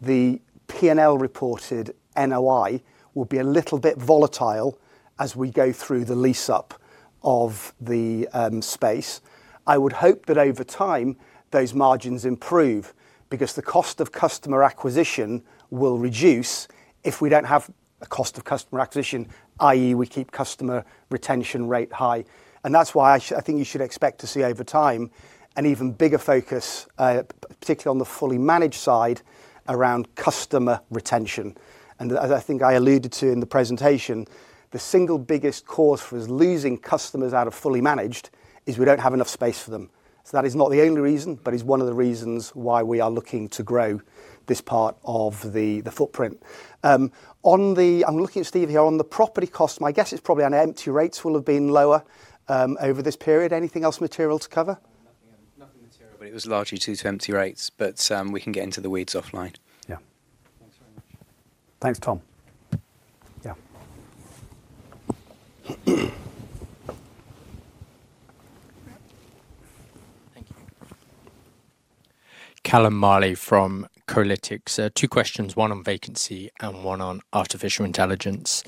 the P&L reported NOI will be a little bit volatile as we go through the lease-up of the space. I would hope that over time, those margins improve because the cost of customer acquisition will reduce if we don't have a cost of customer acquisition, i.e., we keep customer retention rate high. That is why I think you should expect to see over time an even bigger focus, particularly on the fully managed side around customer retention. As I think I alluded to in the presentation, the single biggest cause for us losing customers out of fully managed is we do not have enough space for them. That is not the only reason, but it is one of the reasons why we are looking to grow this part of the footprint. I am looking at Steve here on the property cost. My guess is probably on empty rates will have been lower over this period. Anything else material to cover? Nothing material, but it was largely due to empty rates. We can get into the weeds offline. Thank you very much. Thanks, Tom. Thank you. Callum Marley from Kolytics. Two questions, one on vacancy and one on artificial intelligence.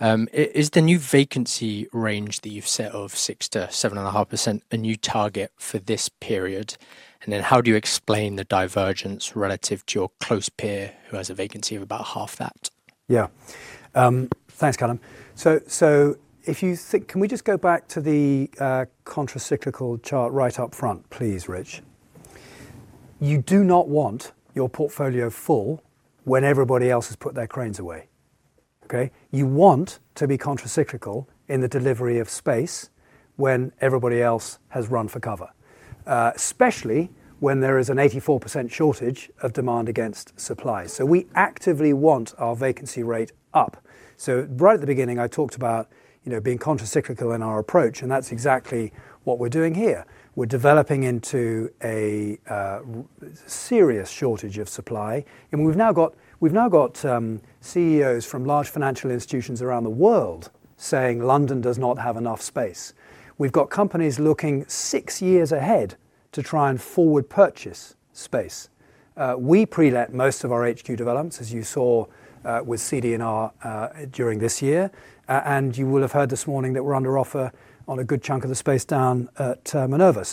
Is the new vacancy range that you've set of 6-7.5% a new target for this period? And then how do you explain the divergence relative to your close peer who has a vacancy of about half that? Yeah. Thanks, Callum. So if you think, can we just go back to the contracyclical chart right up front, please, Rich? You do not want your portfolio full when everybody else has put their cranes away. Okay? You want to be contracyclical in the delivery of space when everybody else has run for cover, especially when there is an 84% shortage of demand against supply. So we actively want our vacancy rate up. So right at the beginning, I talked about being contracyclical in our approach, and that's exactly what we're doing here. We're developing into a serious shortage of supply. We have now got CEOs from large financial institutions around the world saying London does not have enough space. We have companies looking six years ahead to try and forward purchase space. We pre-let most of our HQ developments, as you saw with Cundall during this year. You will have heard this morning that we are under offer on a good chunk of the space down at Minerva.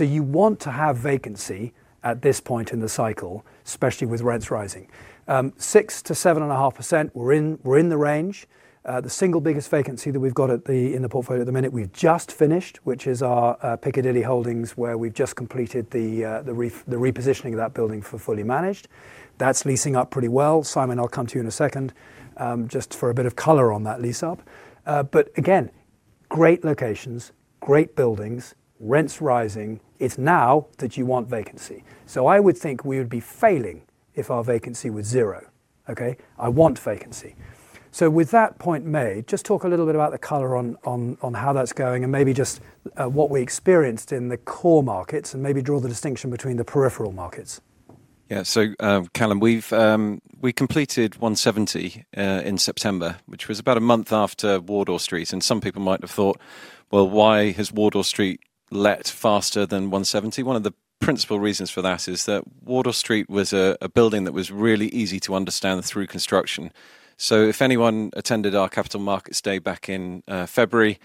You want to have vacancy at this point in the cycle, especially with rents rising. 6-7.5%, we are in the range. The single biggest vacancy that we have got in the portfolio at the minute, we have just finished, which is our Piccadilly Holdings, where we have just completed the repositioning of that building for fully managed. That is leasing up pretty well. Simon, I will come to you in a second just for a bit of color on that lease-up. Again, great locations, great buildings, rents rising. It is now that you want vacancy. I would think we would be failing if our vacancy was zero. I want vacancy. With that point made, just talk a little bit about the color on how that is going and maybe just what we experienced in the core markets and maybe draw the distinction between the peripheral markets. Yeah. Callum, we completed 170 in September, which was about a month after Wardour Street. Some people might have thought, "Why has Wardour Street let faster than 170?" One of the principal reasons for that is that Wardour Street was a building that was really easy to understand through construction. If anyone attended our capital markets day back in February,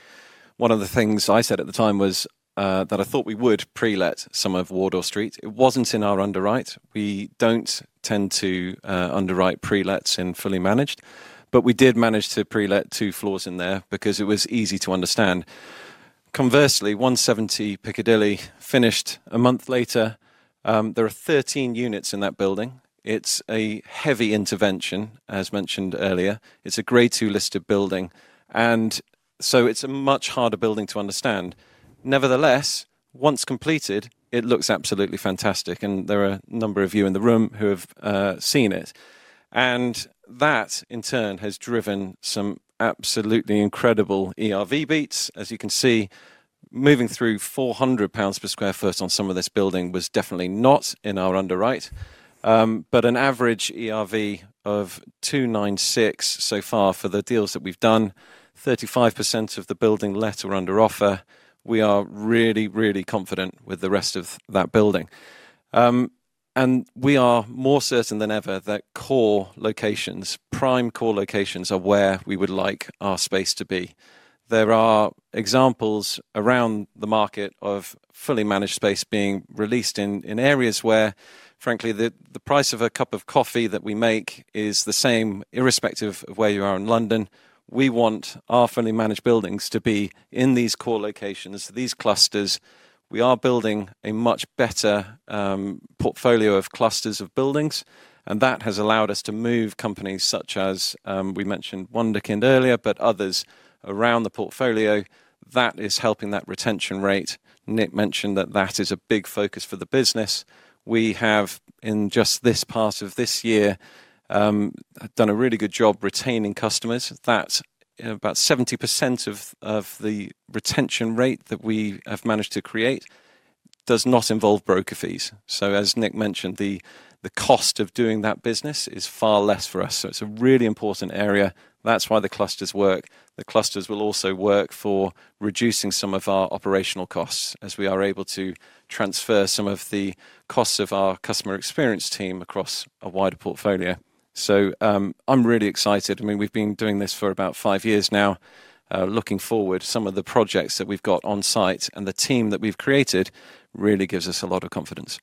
one of the things I said at the time was that I thought we would pre-let some of Wardour Street. It was not in our underwrite. We do not tend to underwrite pre-lets in fully managed. We did manage to pre-let two floors in there because it was easy to understand. Conversely, 170 Piccadilly finished a month later. There are 13 units in that building. It is a heavy intervention, as mentioned earlier. It is a grade two listed building, so it is a much harder building to understand. Nevertheless, once completed, it looks absolutely fantastic. There are a number of you in the room who have seen it. That, in turn, has driven some absolutely incredible ERV beats. As you can see, moving through 400 pounds per sq ft on some of this building was definitely not in our underwrite. But an average ERV of 296 so far for the deals that we've done, 35% of the building let or under offer. We are really, really confident with the rest of that building. And we are more certain than ever that core locations, prime core locations are where we would like our space to be. There are examples around the market of fully managed space being released in areas where, frankly, the price of a cup of coffee that we make is the same irrespective of where you are in London. We want our fully managed buildings to be in these core locations, these clusters. We are building a much better portfolio of clusters of buildings. That has allowed us to move companies such as we mentioned Wunderkind earlier, but others around the portfolio. That is helping that retention rate. Nick mentioned that is a big focus for the business. We have, in just this part of this year, done a really good job retaining customers. That is about 70% of the retention rate that we have managed to create does not involve broker fees. As Nick mentioned, the cost of doing that business is far less for us. It is a really important area. That is why the clusters work. The clusters will also work for reducing some of our operational costs as we are able to transfer some of the costs of our customer experience team across a wider portfolio. I am really excited. I mean, we have been doing this for about five years now. Looking forward, some of the projects that we've got on site and the team that we've created really gives us a lot of confidence.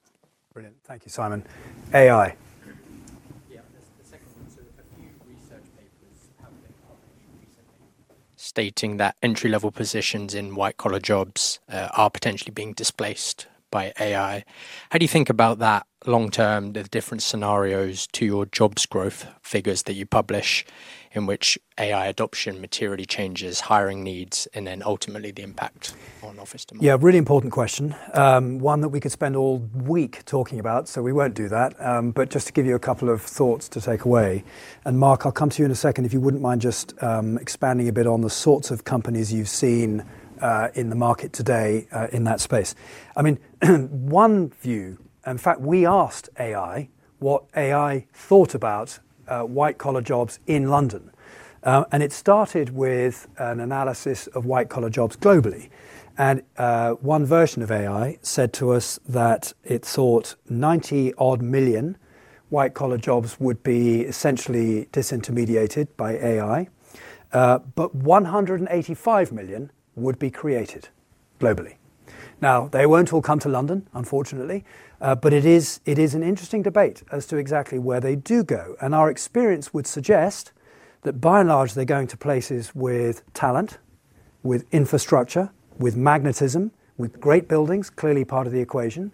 Brilliant. Thank you, Simon. AI. Yeah, the second one. A few research papers have been published recently stating that entry-level positions in white-collar jobs are potentially being displaced by AI. How do you think about that long term, the different scenarios to your jobs growth figures that you publish in which AI adoption materially changes hiring needs and then ultimately the impact on office demand? Yeah, really important question. One that we could spend all week talking about, so we won't do that. Just to give you a couple of thoughts to take away. Mark, I'll come to you in a second if you wouldn't mind just expanding a bit on the sorts of companies you've seen in the market today in that space. I mean, one view, in fact, we asked AI what AI thought about white-collar jobs in London. It started with an analysis of white-collar jobs globally. One version of AI said to us that it thought 90-odd million white-collar jobs would be essentially disintermediated by AI, but 185 million would be created globally. They won't all come to London, unfortunately. It is an interesting debate as to exactly where they do go. Our experience would suggest that, by and large, they're going to places with talent, with infrastructure, with magnetism, with great buildings, clearly part of the equation,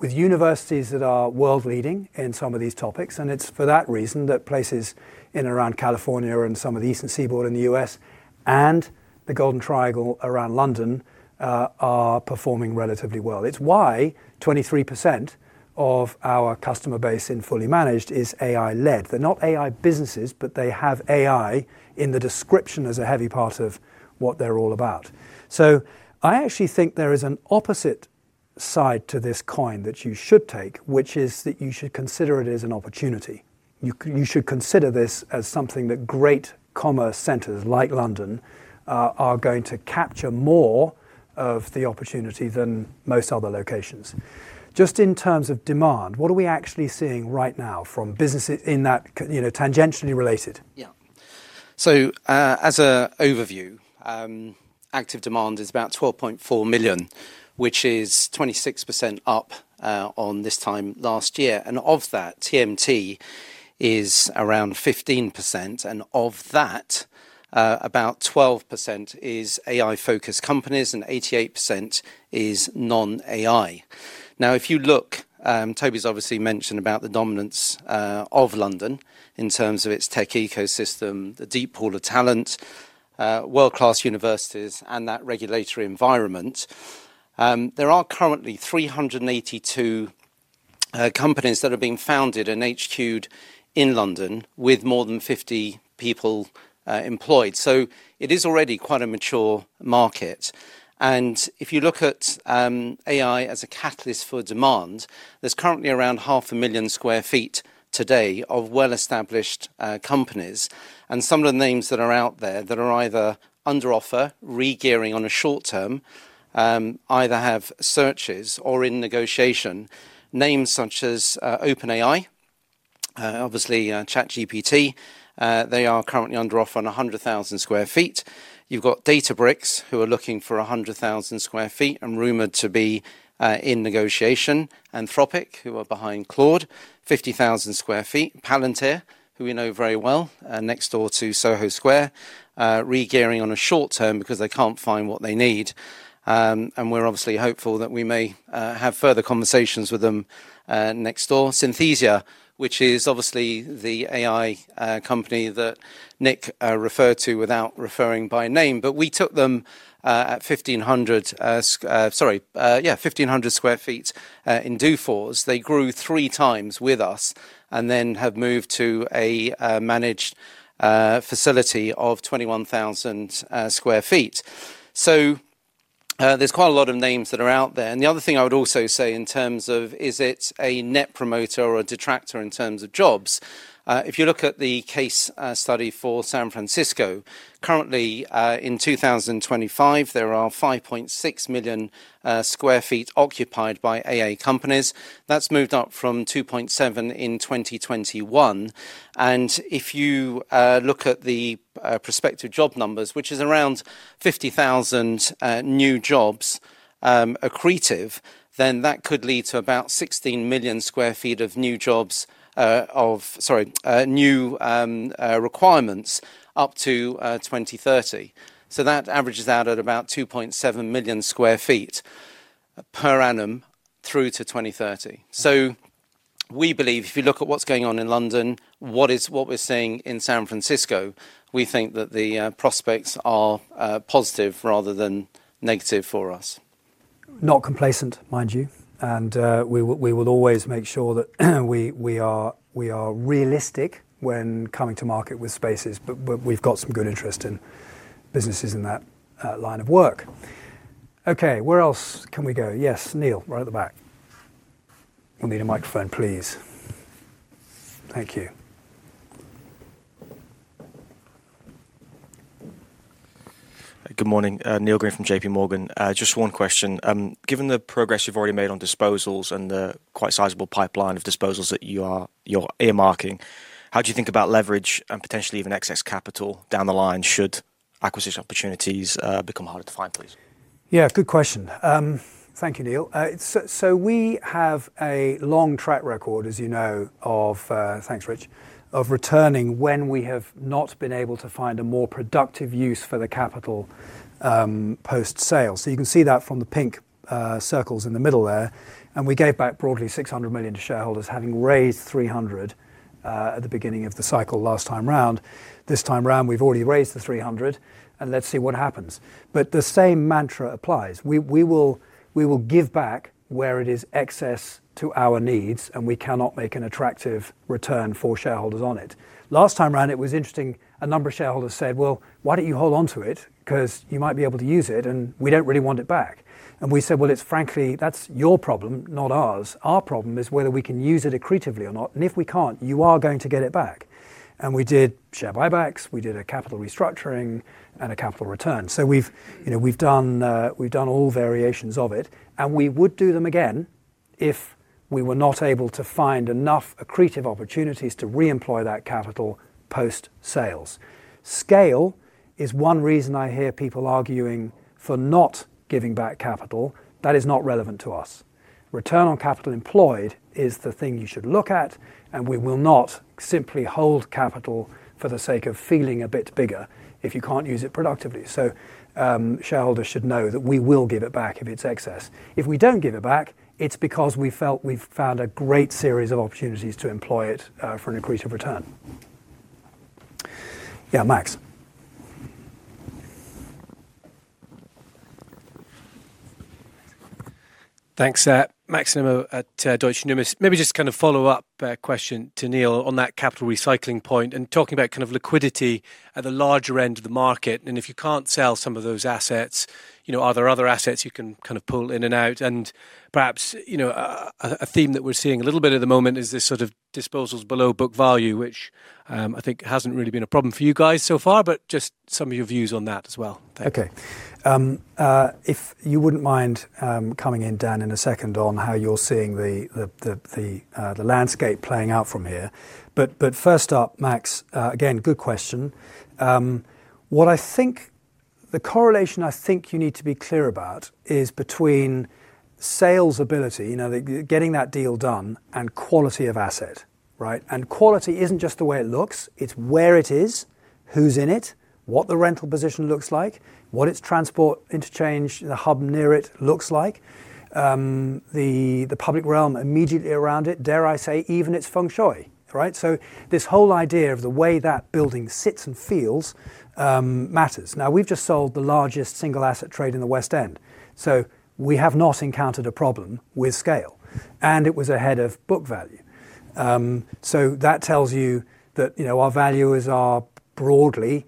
with universities that are world-leading in some of these topics. It is for that reason that places in and around California and some of the eastern seaboard in the U.S. and the Golden Triangle around London are performing relatively well. It is why 23% of our customer base in fully managed is AI-led. They are not AI businesses, but they have AI in the description as a heavy part of what they are all about. I actually think there is an opposite side to this coin that you should take, which is that you should consider it as an opportunity. You should consider this as something that great commerce centers like London are going to capture more of the opportunity than most other locations. Just in terms of demand, what are we actually seeing right now from businesses in that tangentially related? Yeah. As an overview, active demand is about 12.4 million, which is 26% up on this time last year. Of that, TMT is around 15%. Of that, about 12% is AI-focused companies and 88% is non-AI. If you look, Toby's obviously mentioned the dominance of London in terms of its tech ecosystem, the deep pool of talent, world-class universities, and that regulatory environment. There are currently 382 companies that have been founded and HQ'd in London with more than 50 people employed. It is already quite a mature market. If you look at AI as a catalyst for demand, there is currently around 500,000 sq ft today of well-established companies. Some of the names that are out there that are either under offer, re-gearing on a short term, either have searches or are in negotiation, names such as OpenAI, obviously ChatGPT, they are currently under offer on 100,000 sq ft. You've got Databricks who are looking for 100,000 sq ft and rumored to be in negotiation. Anthropic who are behind Claude, 50,000 sq ft. Palantir, who we know very well, next door to Soho Square, re-gearing on a short term because they can't find what they need. We're obviously hopeful that we may have further conversations with them next door. Synthesia, which is obviously the AI company that Nick referred to without referring by name. We took them at 1,500, sorry, yeah, 1,500 sq ft in Dewforce. They grew three times with us and then have moved to a managed facility of 21,000 sq ft. There's quite a lot of names that are out there. The other thing I would also say in terms of is it a net promoter or a detractor in terms of jobs, if you look at the case study for San Francisco, currently in 2025, there are 5.6 million sq ft occupied by AI companies. That has moved up from 2.7 million in 2021. If you look at the prospective job numbers, which is around 50,000 new jobs accretive, then that could lead to about 16 million sq ft of new requirements up to 2030. That averages out at about 2.7 million sq ft per annum through to 2030. We believe if you look at what is going on in London, what we are seeing in San Francisco, we think that the prospects are positive rather than negative for us. Not complacent, mind you. We will always make sure that we are realistic when coming to market with spaces. We have some good interest in businesses in that line of work. Okay, where else can we go? Yes, Neil, right at the back. We will need a microphone, please. Thank you. Good morning. Neil Green from JP Morgan. Just one question. Given the progress you have already made on disposals and the quite sizable pipeline of disposals that you are earmarking, how do you think about leverage and potentially even excess capital down the line should acquisition opportunities become harder to find, please? Good question. Thank you, Neil. We have a long track record, as you know, of returning when we have not been able to find a more productive use for the capital post-sale. You can see that from the pink circles in the middle there. We gave back broadly 600 million to shareholders, having raised 300 million at the beginning of the cycle last time round. This time round, we've already raised the 300 million. Let's see what happens. The same mantra applies. We will give back where it is excess to our needs, and we cannot make an attractive return for shareholders on it. Last time round, it was interesting. A number of shareholders said, "Why don't you hold on to it because you might be able to use it, and we don't really want it back." We said, "Frankly, that's your problem, not ours. Our problem is whether we can use it accretively or not. If we can't, you are going to get it back." We did share buybacks. We did a capital restructuring and a capital return. We've done all variations of it. We would do them again if we were not able to find enough accretive opportunities to re-employ that capital post-sales. Scale is one reason I hear people arguing for not giving back capital. That is not relevant to us. Return on capital employed is the thing you should look at. We will not simply hold capital for the sake of feeling a bit bigger if you cannot use it productively. Shareholders should know that we will give it back if it is excess. If we do not give it back, it is because we felt we have found a great series of opportunities to employ it for an accretive return. Yeah, Max. Thanks, Maxime to Deutsche Numis. Maybe just kind of follow-up question to Neil on that capital recycling point and talking about kind of liquidity at the larger end of the market. If you cannot sell some of those assets, are there other assets you can kind of pull in and out? Perhaps a theme that we are seeing a little bit at the moment is this sort of disposals below book value, which I think has not really been a problem for you guys so far, but just some of your views on that as well. Okay. If you would not mind coming in, Dan, in a second on how you are seeing the landscape playing out from here. First up, Max, again, good question. What I think the correlation I think you need to be clear about is between sales ability, getting that deal done, and quality of asset. Right? Quality is not just the way it looks. It's where it is, who's in it, what the rental position looks like, what its transport interchange, the hub near it looks like, the public realm immediately around it, dare I say, even its feng shui. Right? This whole idea of the way that building sits and feels matters. Now, we've just sold the largest single-asset trade in the West End. We have not encountered a problem with scale. It was ahead of book value. That tells you that our valuers are broadly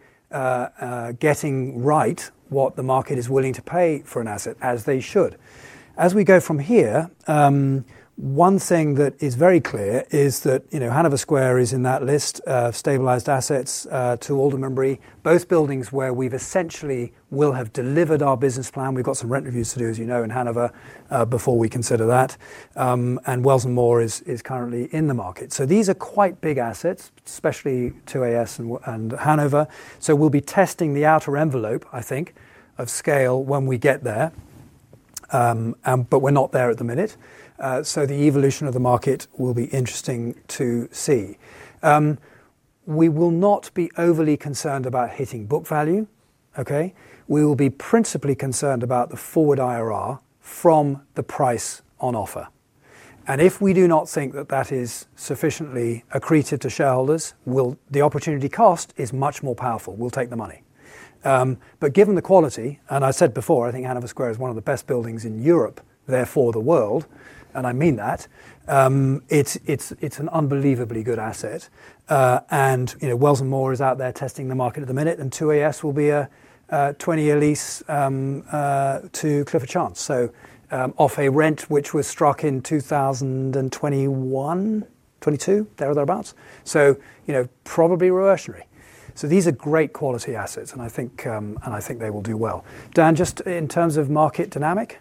getting right what the market is willing to pay for an asset as they should. As we go from here, one thing that is very clear is that Hanover Square is in that list of stabilized assets to Alderman Bree, both buildings where we essentially will have delivered our business plan. We've got some rent reviews to do, as you know, in Hanover before we consider that. Wells & Moore is currently in the market. These are quite big assets, especially 2AS and Hanover. We'll be testing the outer envelope, I think, of scale when we get there. We're not there at the minute. The evolution of the market will be interesting to see. We will not be overly concerned about hitting book value. Okay? We will be principally concerned about the forward IRR from the price on offer. If we do not think that that is sufficiently accretive to shareholders, the opportunity cost is much more powerful. We'll take the money. Given the quality, and I said before, I think Hanover Square is one of the best buildings in Europe, therefore the world. I mean that. It's an unbelievably good asset. Wells & Moore is out there testing the market at the minute. 2AS will be a 20-year lease to Clifford Chance, off a rent which was struck in 2021, 2022, there or thereabouts, so probably reversionary. These are great quality assets, and I think they will do well. Dan, just in terms of market dynamic?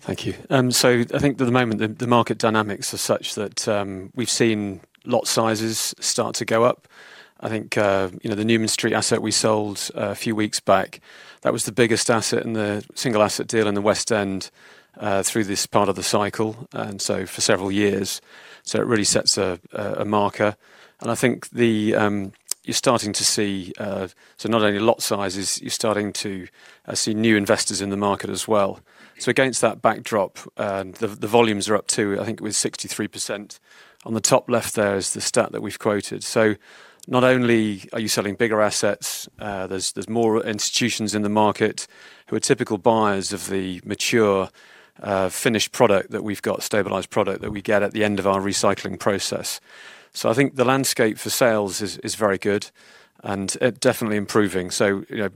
Thank you. I think at the moment, the market dynamics are such that we've seen lot sizes start to go up. I think the Newman Street asset we sold a few weeks back, that was the biggest asset in the single-asset deal in the West End through this part of the cycle and for several years. It really sets a marker. I think you're starting to see not only lot sizes, you're starting to see new investors in the market as well. Against that backdrop, the volumes are up to, I think it was 63%. On the top left there is the stat that we've quoted. Not only are you selling bigger assets, there are more institutions in the market who are typical buyers of the mature finished product that we've got, stabilized product that we get at the end of our recycling process. I think the landscape for sales is very good and definitely improving.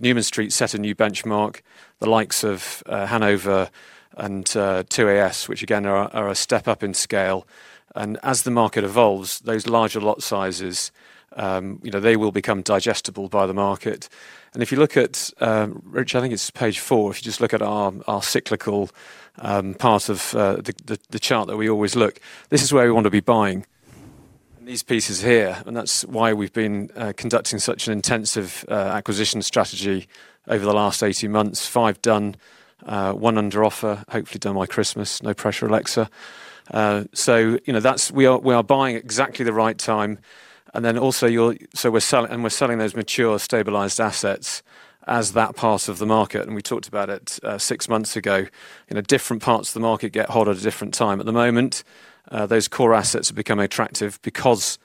Newman Street set a new benchmark, the likes of Hanover and 2 Arlington Street, which again are a step up in scale. As the market evolves, those larger lot sizes will become digestible by the market. If you look at, Rich, I think it's page four, if you just look at our cyclical part of the chart that we always look, this is where we want to be buying. These pieces here, and that is why we have been conducting such an intensive acquisition strategy over the last 18 months. Five done, one under offer, hopefully done by Christmas. No pressure, Alexa. We are buying exactly at the right time. We are also selling those mature stabilized assets as that part of the market. We talked about it six months ago, different parts of the market get hot at a different time. At the moment, those core assets have become attractive because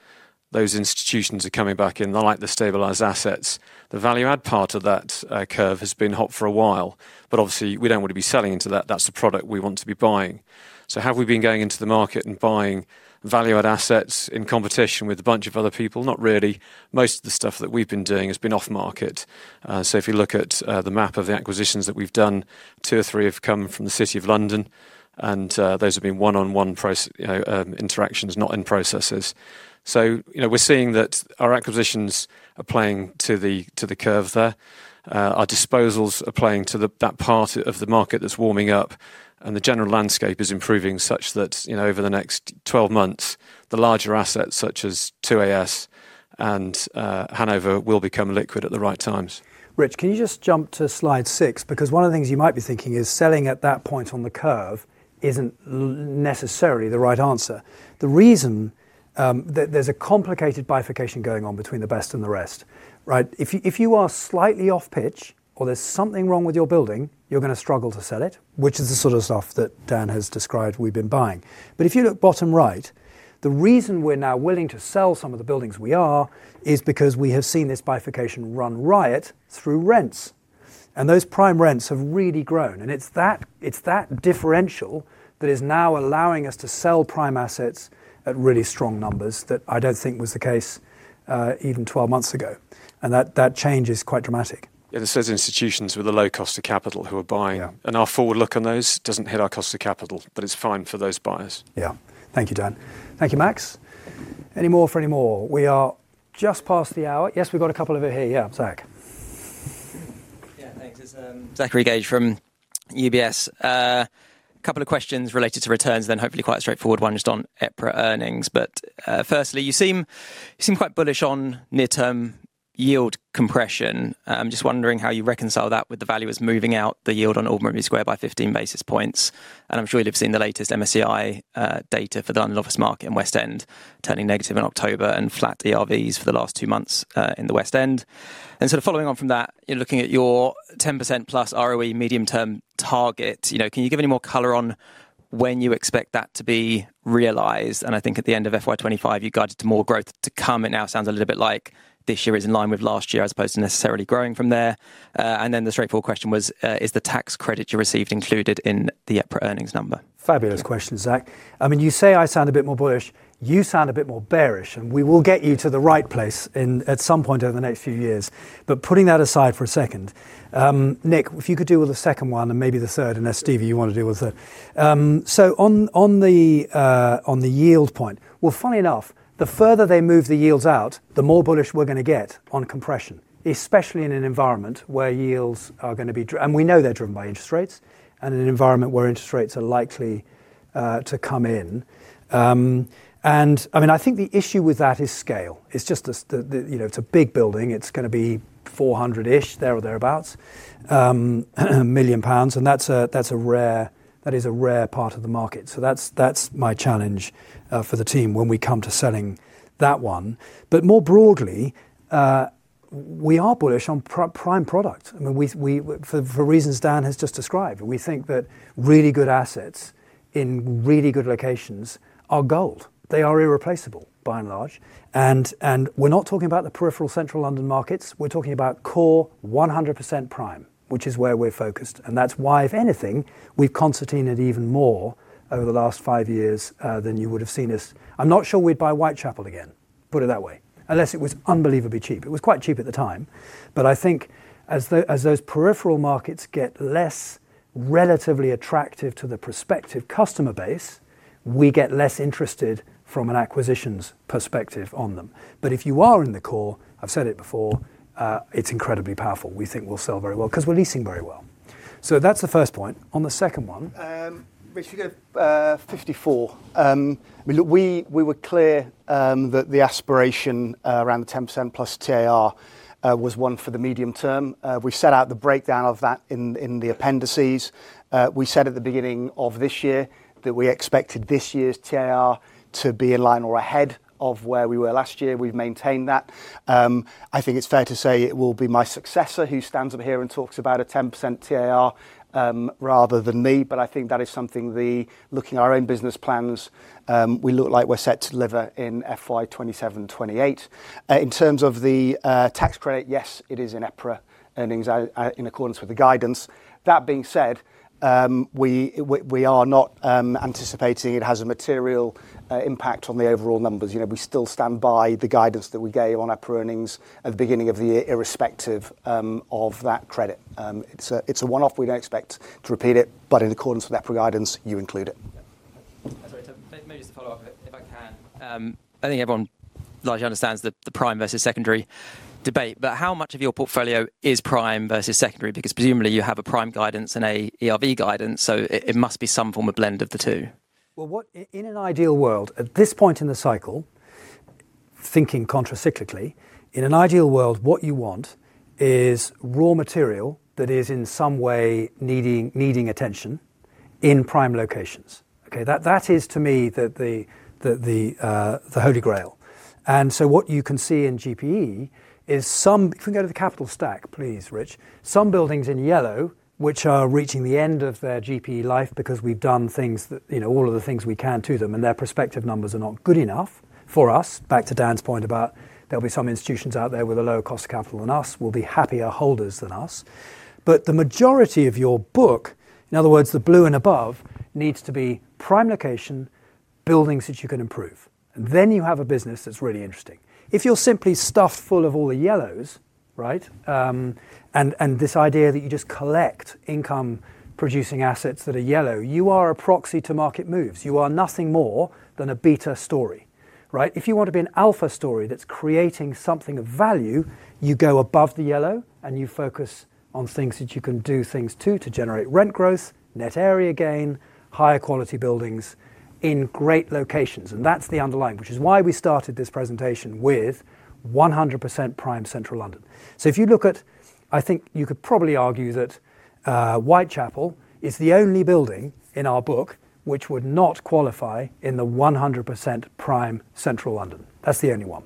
those institutions are coming back in, like the stabilized assets. The value-add part of that curve has been hot for a while. Obviously, we do not want to be selling into that. That is the product we want to be buying. Have we been going into the market and buying value-add assets in competition with a bunch of other people? Not really. Most of the stuff that we've been doing has been off-market. If you look at the map of the acquisitions that we've done, two or three have come from the City of London. Those have been one-on-one interactions, not in processes. We are seeing that our acquisitions are playing to the curve there. Our disposals are playing to that part of the market that's warming up. The general landscape is improving such that over the next 12 months, the larger assets such as 2 Arlington Street and Hanover will become liquid at the right times. Rich, can you just jump to slide six? One of the things you might be thinking is selling at that point on the curve is not necessarily the right answer. The reason is that there is a complicated bifurcation going on between the best and the rest. Right? If you are slightly off-pitch or there is something wrong with your building, you are going to struggle to sell it, which is the sort of stuff that Dan has described we have been buying. If you look bottom right, the reason we are now willing to sell some of the buildings we are is because we have seen this bifurcation run riot through rents. Those prime rents have really grown. It is that differential that is now allowing us to sell prime assets at really strong numbers that I do not think was the case even 12 months ago. That change is quite dramatic. The sales institutions with a low cost of capital who are buying. Our forward look on those does not hit our cost of capital, but it is fine for those buyers. Thank you, Dan. Thank you, Max. Any more for any more? We are just past the hour. Yes, we've got a couple of it here. Yeah, Zach. Yeah, thanks. It's Zachary Gauge from UBS. A couple of questions related to returns, then hopefully quite straightforward ones on EPRA earnings. Firstly, you seem quite bullish on near-term yield compression. I'm just wondering how you reconcile that with the value is moving out the yield on Alderman Reed Square by 15 basis points. I'm sure you've seen the latest MSCI data for the London office market and West End turning negative in October and flat ERVs for the last two months in the West End. Sort of following on from that, you're looking at your 10%+ ROE medium-term target. Can you give any more color on when you expect that to be realized? I think at the end of FY 2025, you guided to more growth to come. It now sounds a little bit like this year is in line with last year, as opposed to necessarily growing from there. The straightforward question was, is the tax credit you received included in the EPRA earnings number? Fabulous question, Zach. I mean, you say I sound a bit more bullish. You sound a bit more bearish. We will get you to the right place at some point over the next few years. Putting that aside for a second, Nick, if you could do with the second one and maybe the third, unless Stevie, you want to do with it. On the yield point, funny enough, the further they move the yields out, the more bullish we are going to get on compression, especially in an environment where yields are going to be driven. We know they're driven by interest rates and an environment where interest rates are likely to come in. I mean, I think the issue with that is scale. It's just that it's a big building. It's going to be 400 million-ish, there or thereabouts, and that is a rare part of the market. That's my challenge for the team when we come to selling that one. More broadly, we are bullish on prime product. I mean, for reasons Dan has just described, we think that really good assets in really good locations are gold. They are irreplaceable, by and large. We're not talking about the peripheral central London markets. We're talking about core 100% prime, which is where we're focused. That's why, if anything, we've concertinaed it even more over the last five years than you would have seen us. I'm not sure we'd buy Whitechapel again, put it that way, unless it was unbelievably cheap. It was quite cheap at the time. As those peripheral markets get less relatively attractive to the prospective customer base, we get less interested from an acquisitions perspective on them. If you are in the core, I've said it before, it's incredibly powerful. We think we'll sell very well because we're leasing very well. That's the first point. On the second one, Rich, you got 54. I mean, we were clear that the aspiration around the 10%+ TAR was one for the medium term. We set out the breakdown of that in the appendices. We said at the beginning of this year that we expected this year's TAR to be in line or ahead of where we were last year. We've maintained that. I think it's fair to say it will be my successor who stands up here and talks about a 10% TAR rather than me. I think that is something looking at our own business plans, we look like we're set to deliver in FY 2027, 2028. In terms of the tax credit, yes, it is in EPRA earnings in accordance with the guidance. That being said, we are not anticipating it has a material impact on the overall numbers. We still stand by the guidance that we gave on EPRA earnings at the beginning of the year, irrespective of that credit. It's a one-off. We don't expect to repeat it. In accordance with EPRA guidance, you include it. Sorry, maybe just to follow up, if I can. I think everyone largely understands the prime versus secondary debate. How much of your portfolio is prime versus secondary? Because presumably you have a prime guidance and an ERV guidance. It must be some form of blend of the two. In an ideal world, at this point in the cycle, thinking contracyclically, in an ideal world, what you want is raw material that is in some way needing attention in prime locations. Okay? That is, to me, the Holy Grail. What you can see in GPE is some, if we can go to the capital stack, please, Rich, some buildings in yellow, which are reaching the end of their GPE life because we've done things, all of the things we can to them. Their prospective numbers are not good enough for us. Back to Dan's point about there'll be some institutions out there with a lower cost of capital than us. They'll be happier holders than us. The majority of your book, in other words, the blue and above, needs to be prime location buildings that you can improve. You have a business that's really interesting. If you're simply stuffed full of all the yellows, right, and this idea that you just collect income-producing assets that are yellow, you are a proxy to market moves. You are nothing more than a beta story. Right? If you want to be an alpha story that's creating something of value, you go above the yellow and you focus on things that you can do things to to generate rent growth, net area gain, higher quality buildings in great locations. That's the underlying, which is why we started this presentation with 100% prime central London. If you look at, I think you could probably argue that Whitechapel is the only building in our book which would not qualify in the 100% prime central London. That's the only one.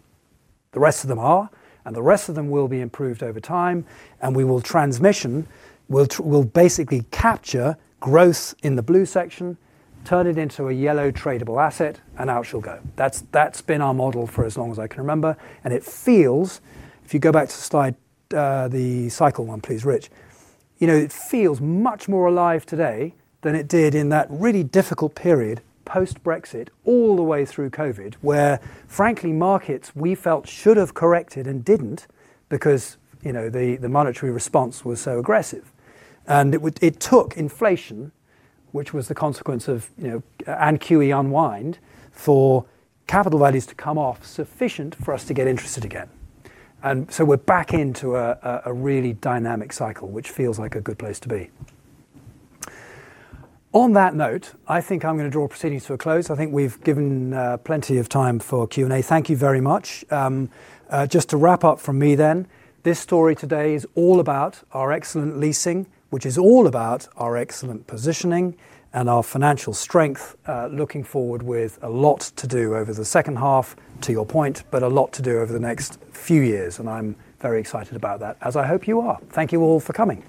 The rest of them are, and the rest of them will be improved over time. We will transmission, we'll basically capture growth in the blue section, turn it into a yellow tradable asset, and out she'll go. That's been our model for as long as I can remember. It feels, if you go back to slide the cycle one, please, Rich, it feels much more alive today than it did in that really difficult period post-Brexit all the way through COVID, where, frankly, markets we felt should have corrected and did not because the monetary response was so aggressive. It took inflation, which was the consequence of and QE unwind, for capital values to come off sufficient for us to get interested again. We are back into a really dynamic cycle, which feels like a good place to be. On that note, I think I am going to draw proceedings to a close. I think we have given plenty of time for Q&A. Thank you very much. Just to wrap up from me then, this story today is all about our excellent leasing, which is all about our excellent positioning and our financial strength, looking forward with a lot to do over the second half, to your point, but a lot to do over the next few years. I am very excited about that, as I hope you are. Thank you all for coming.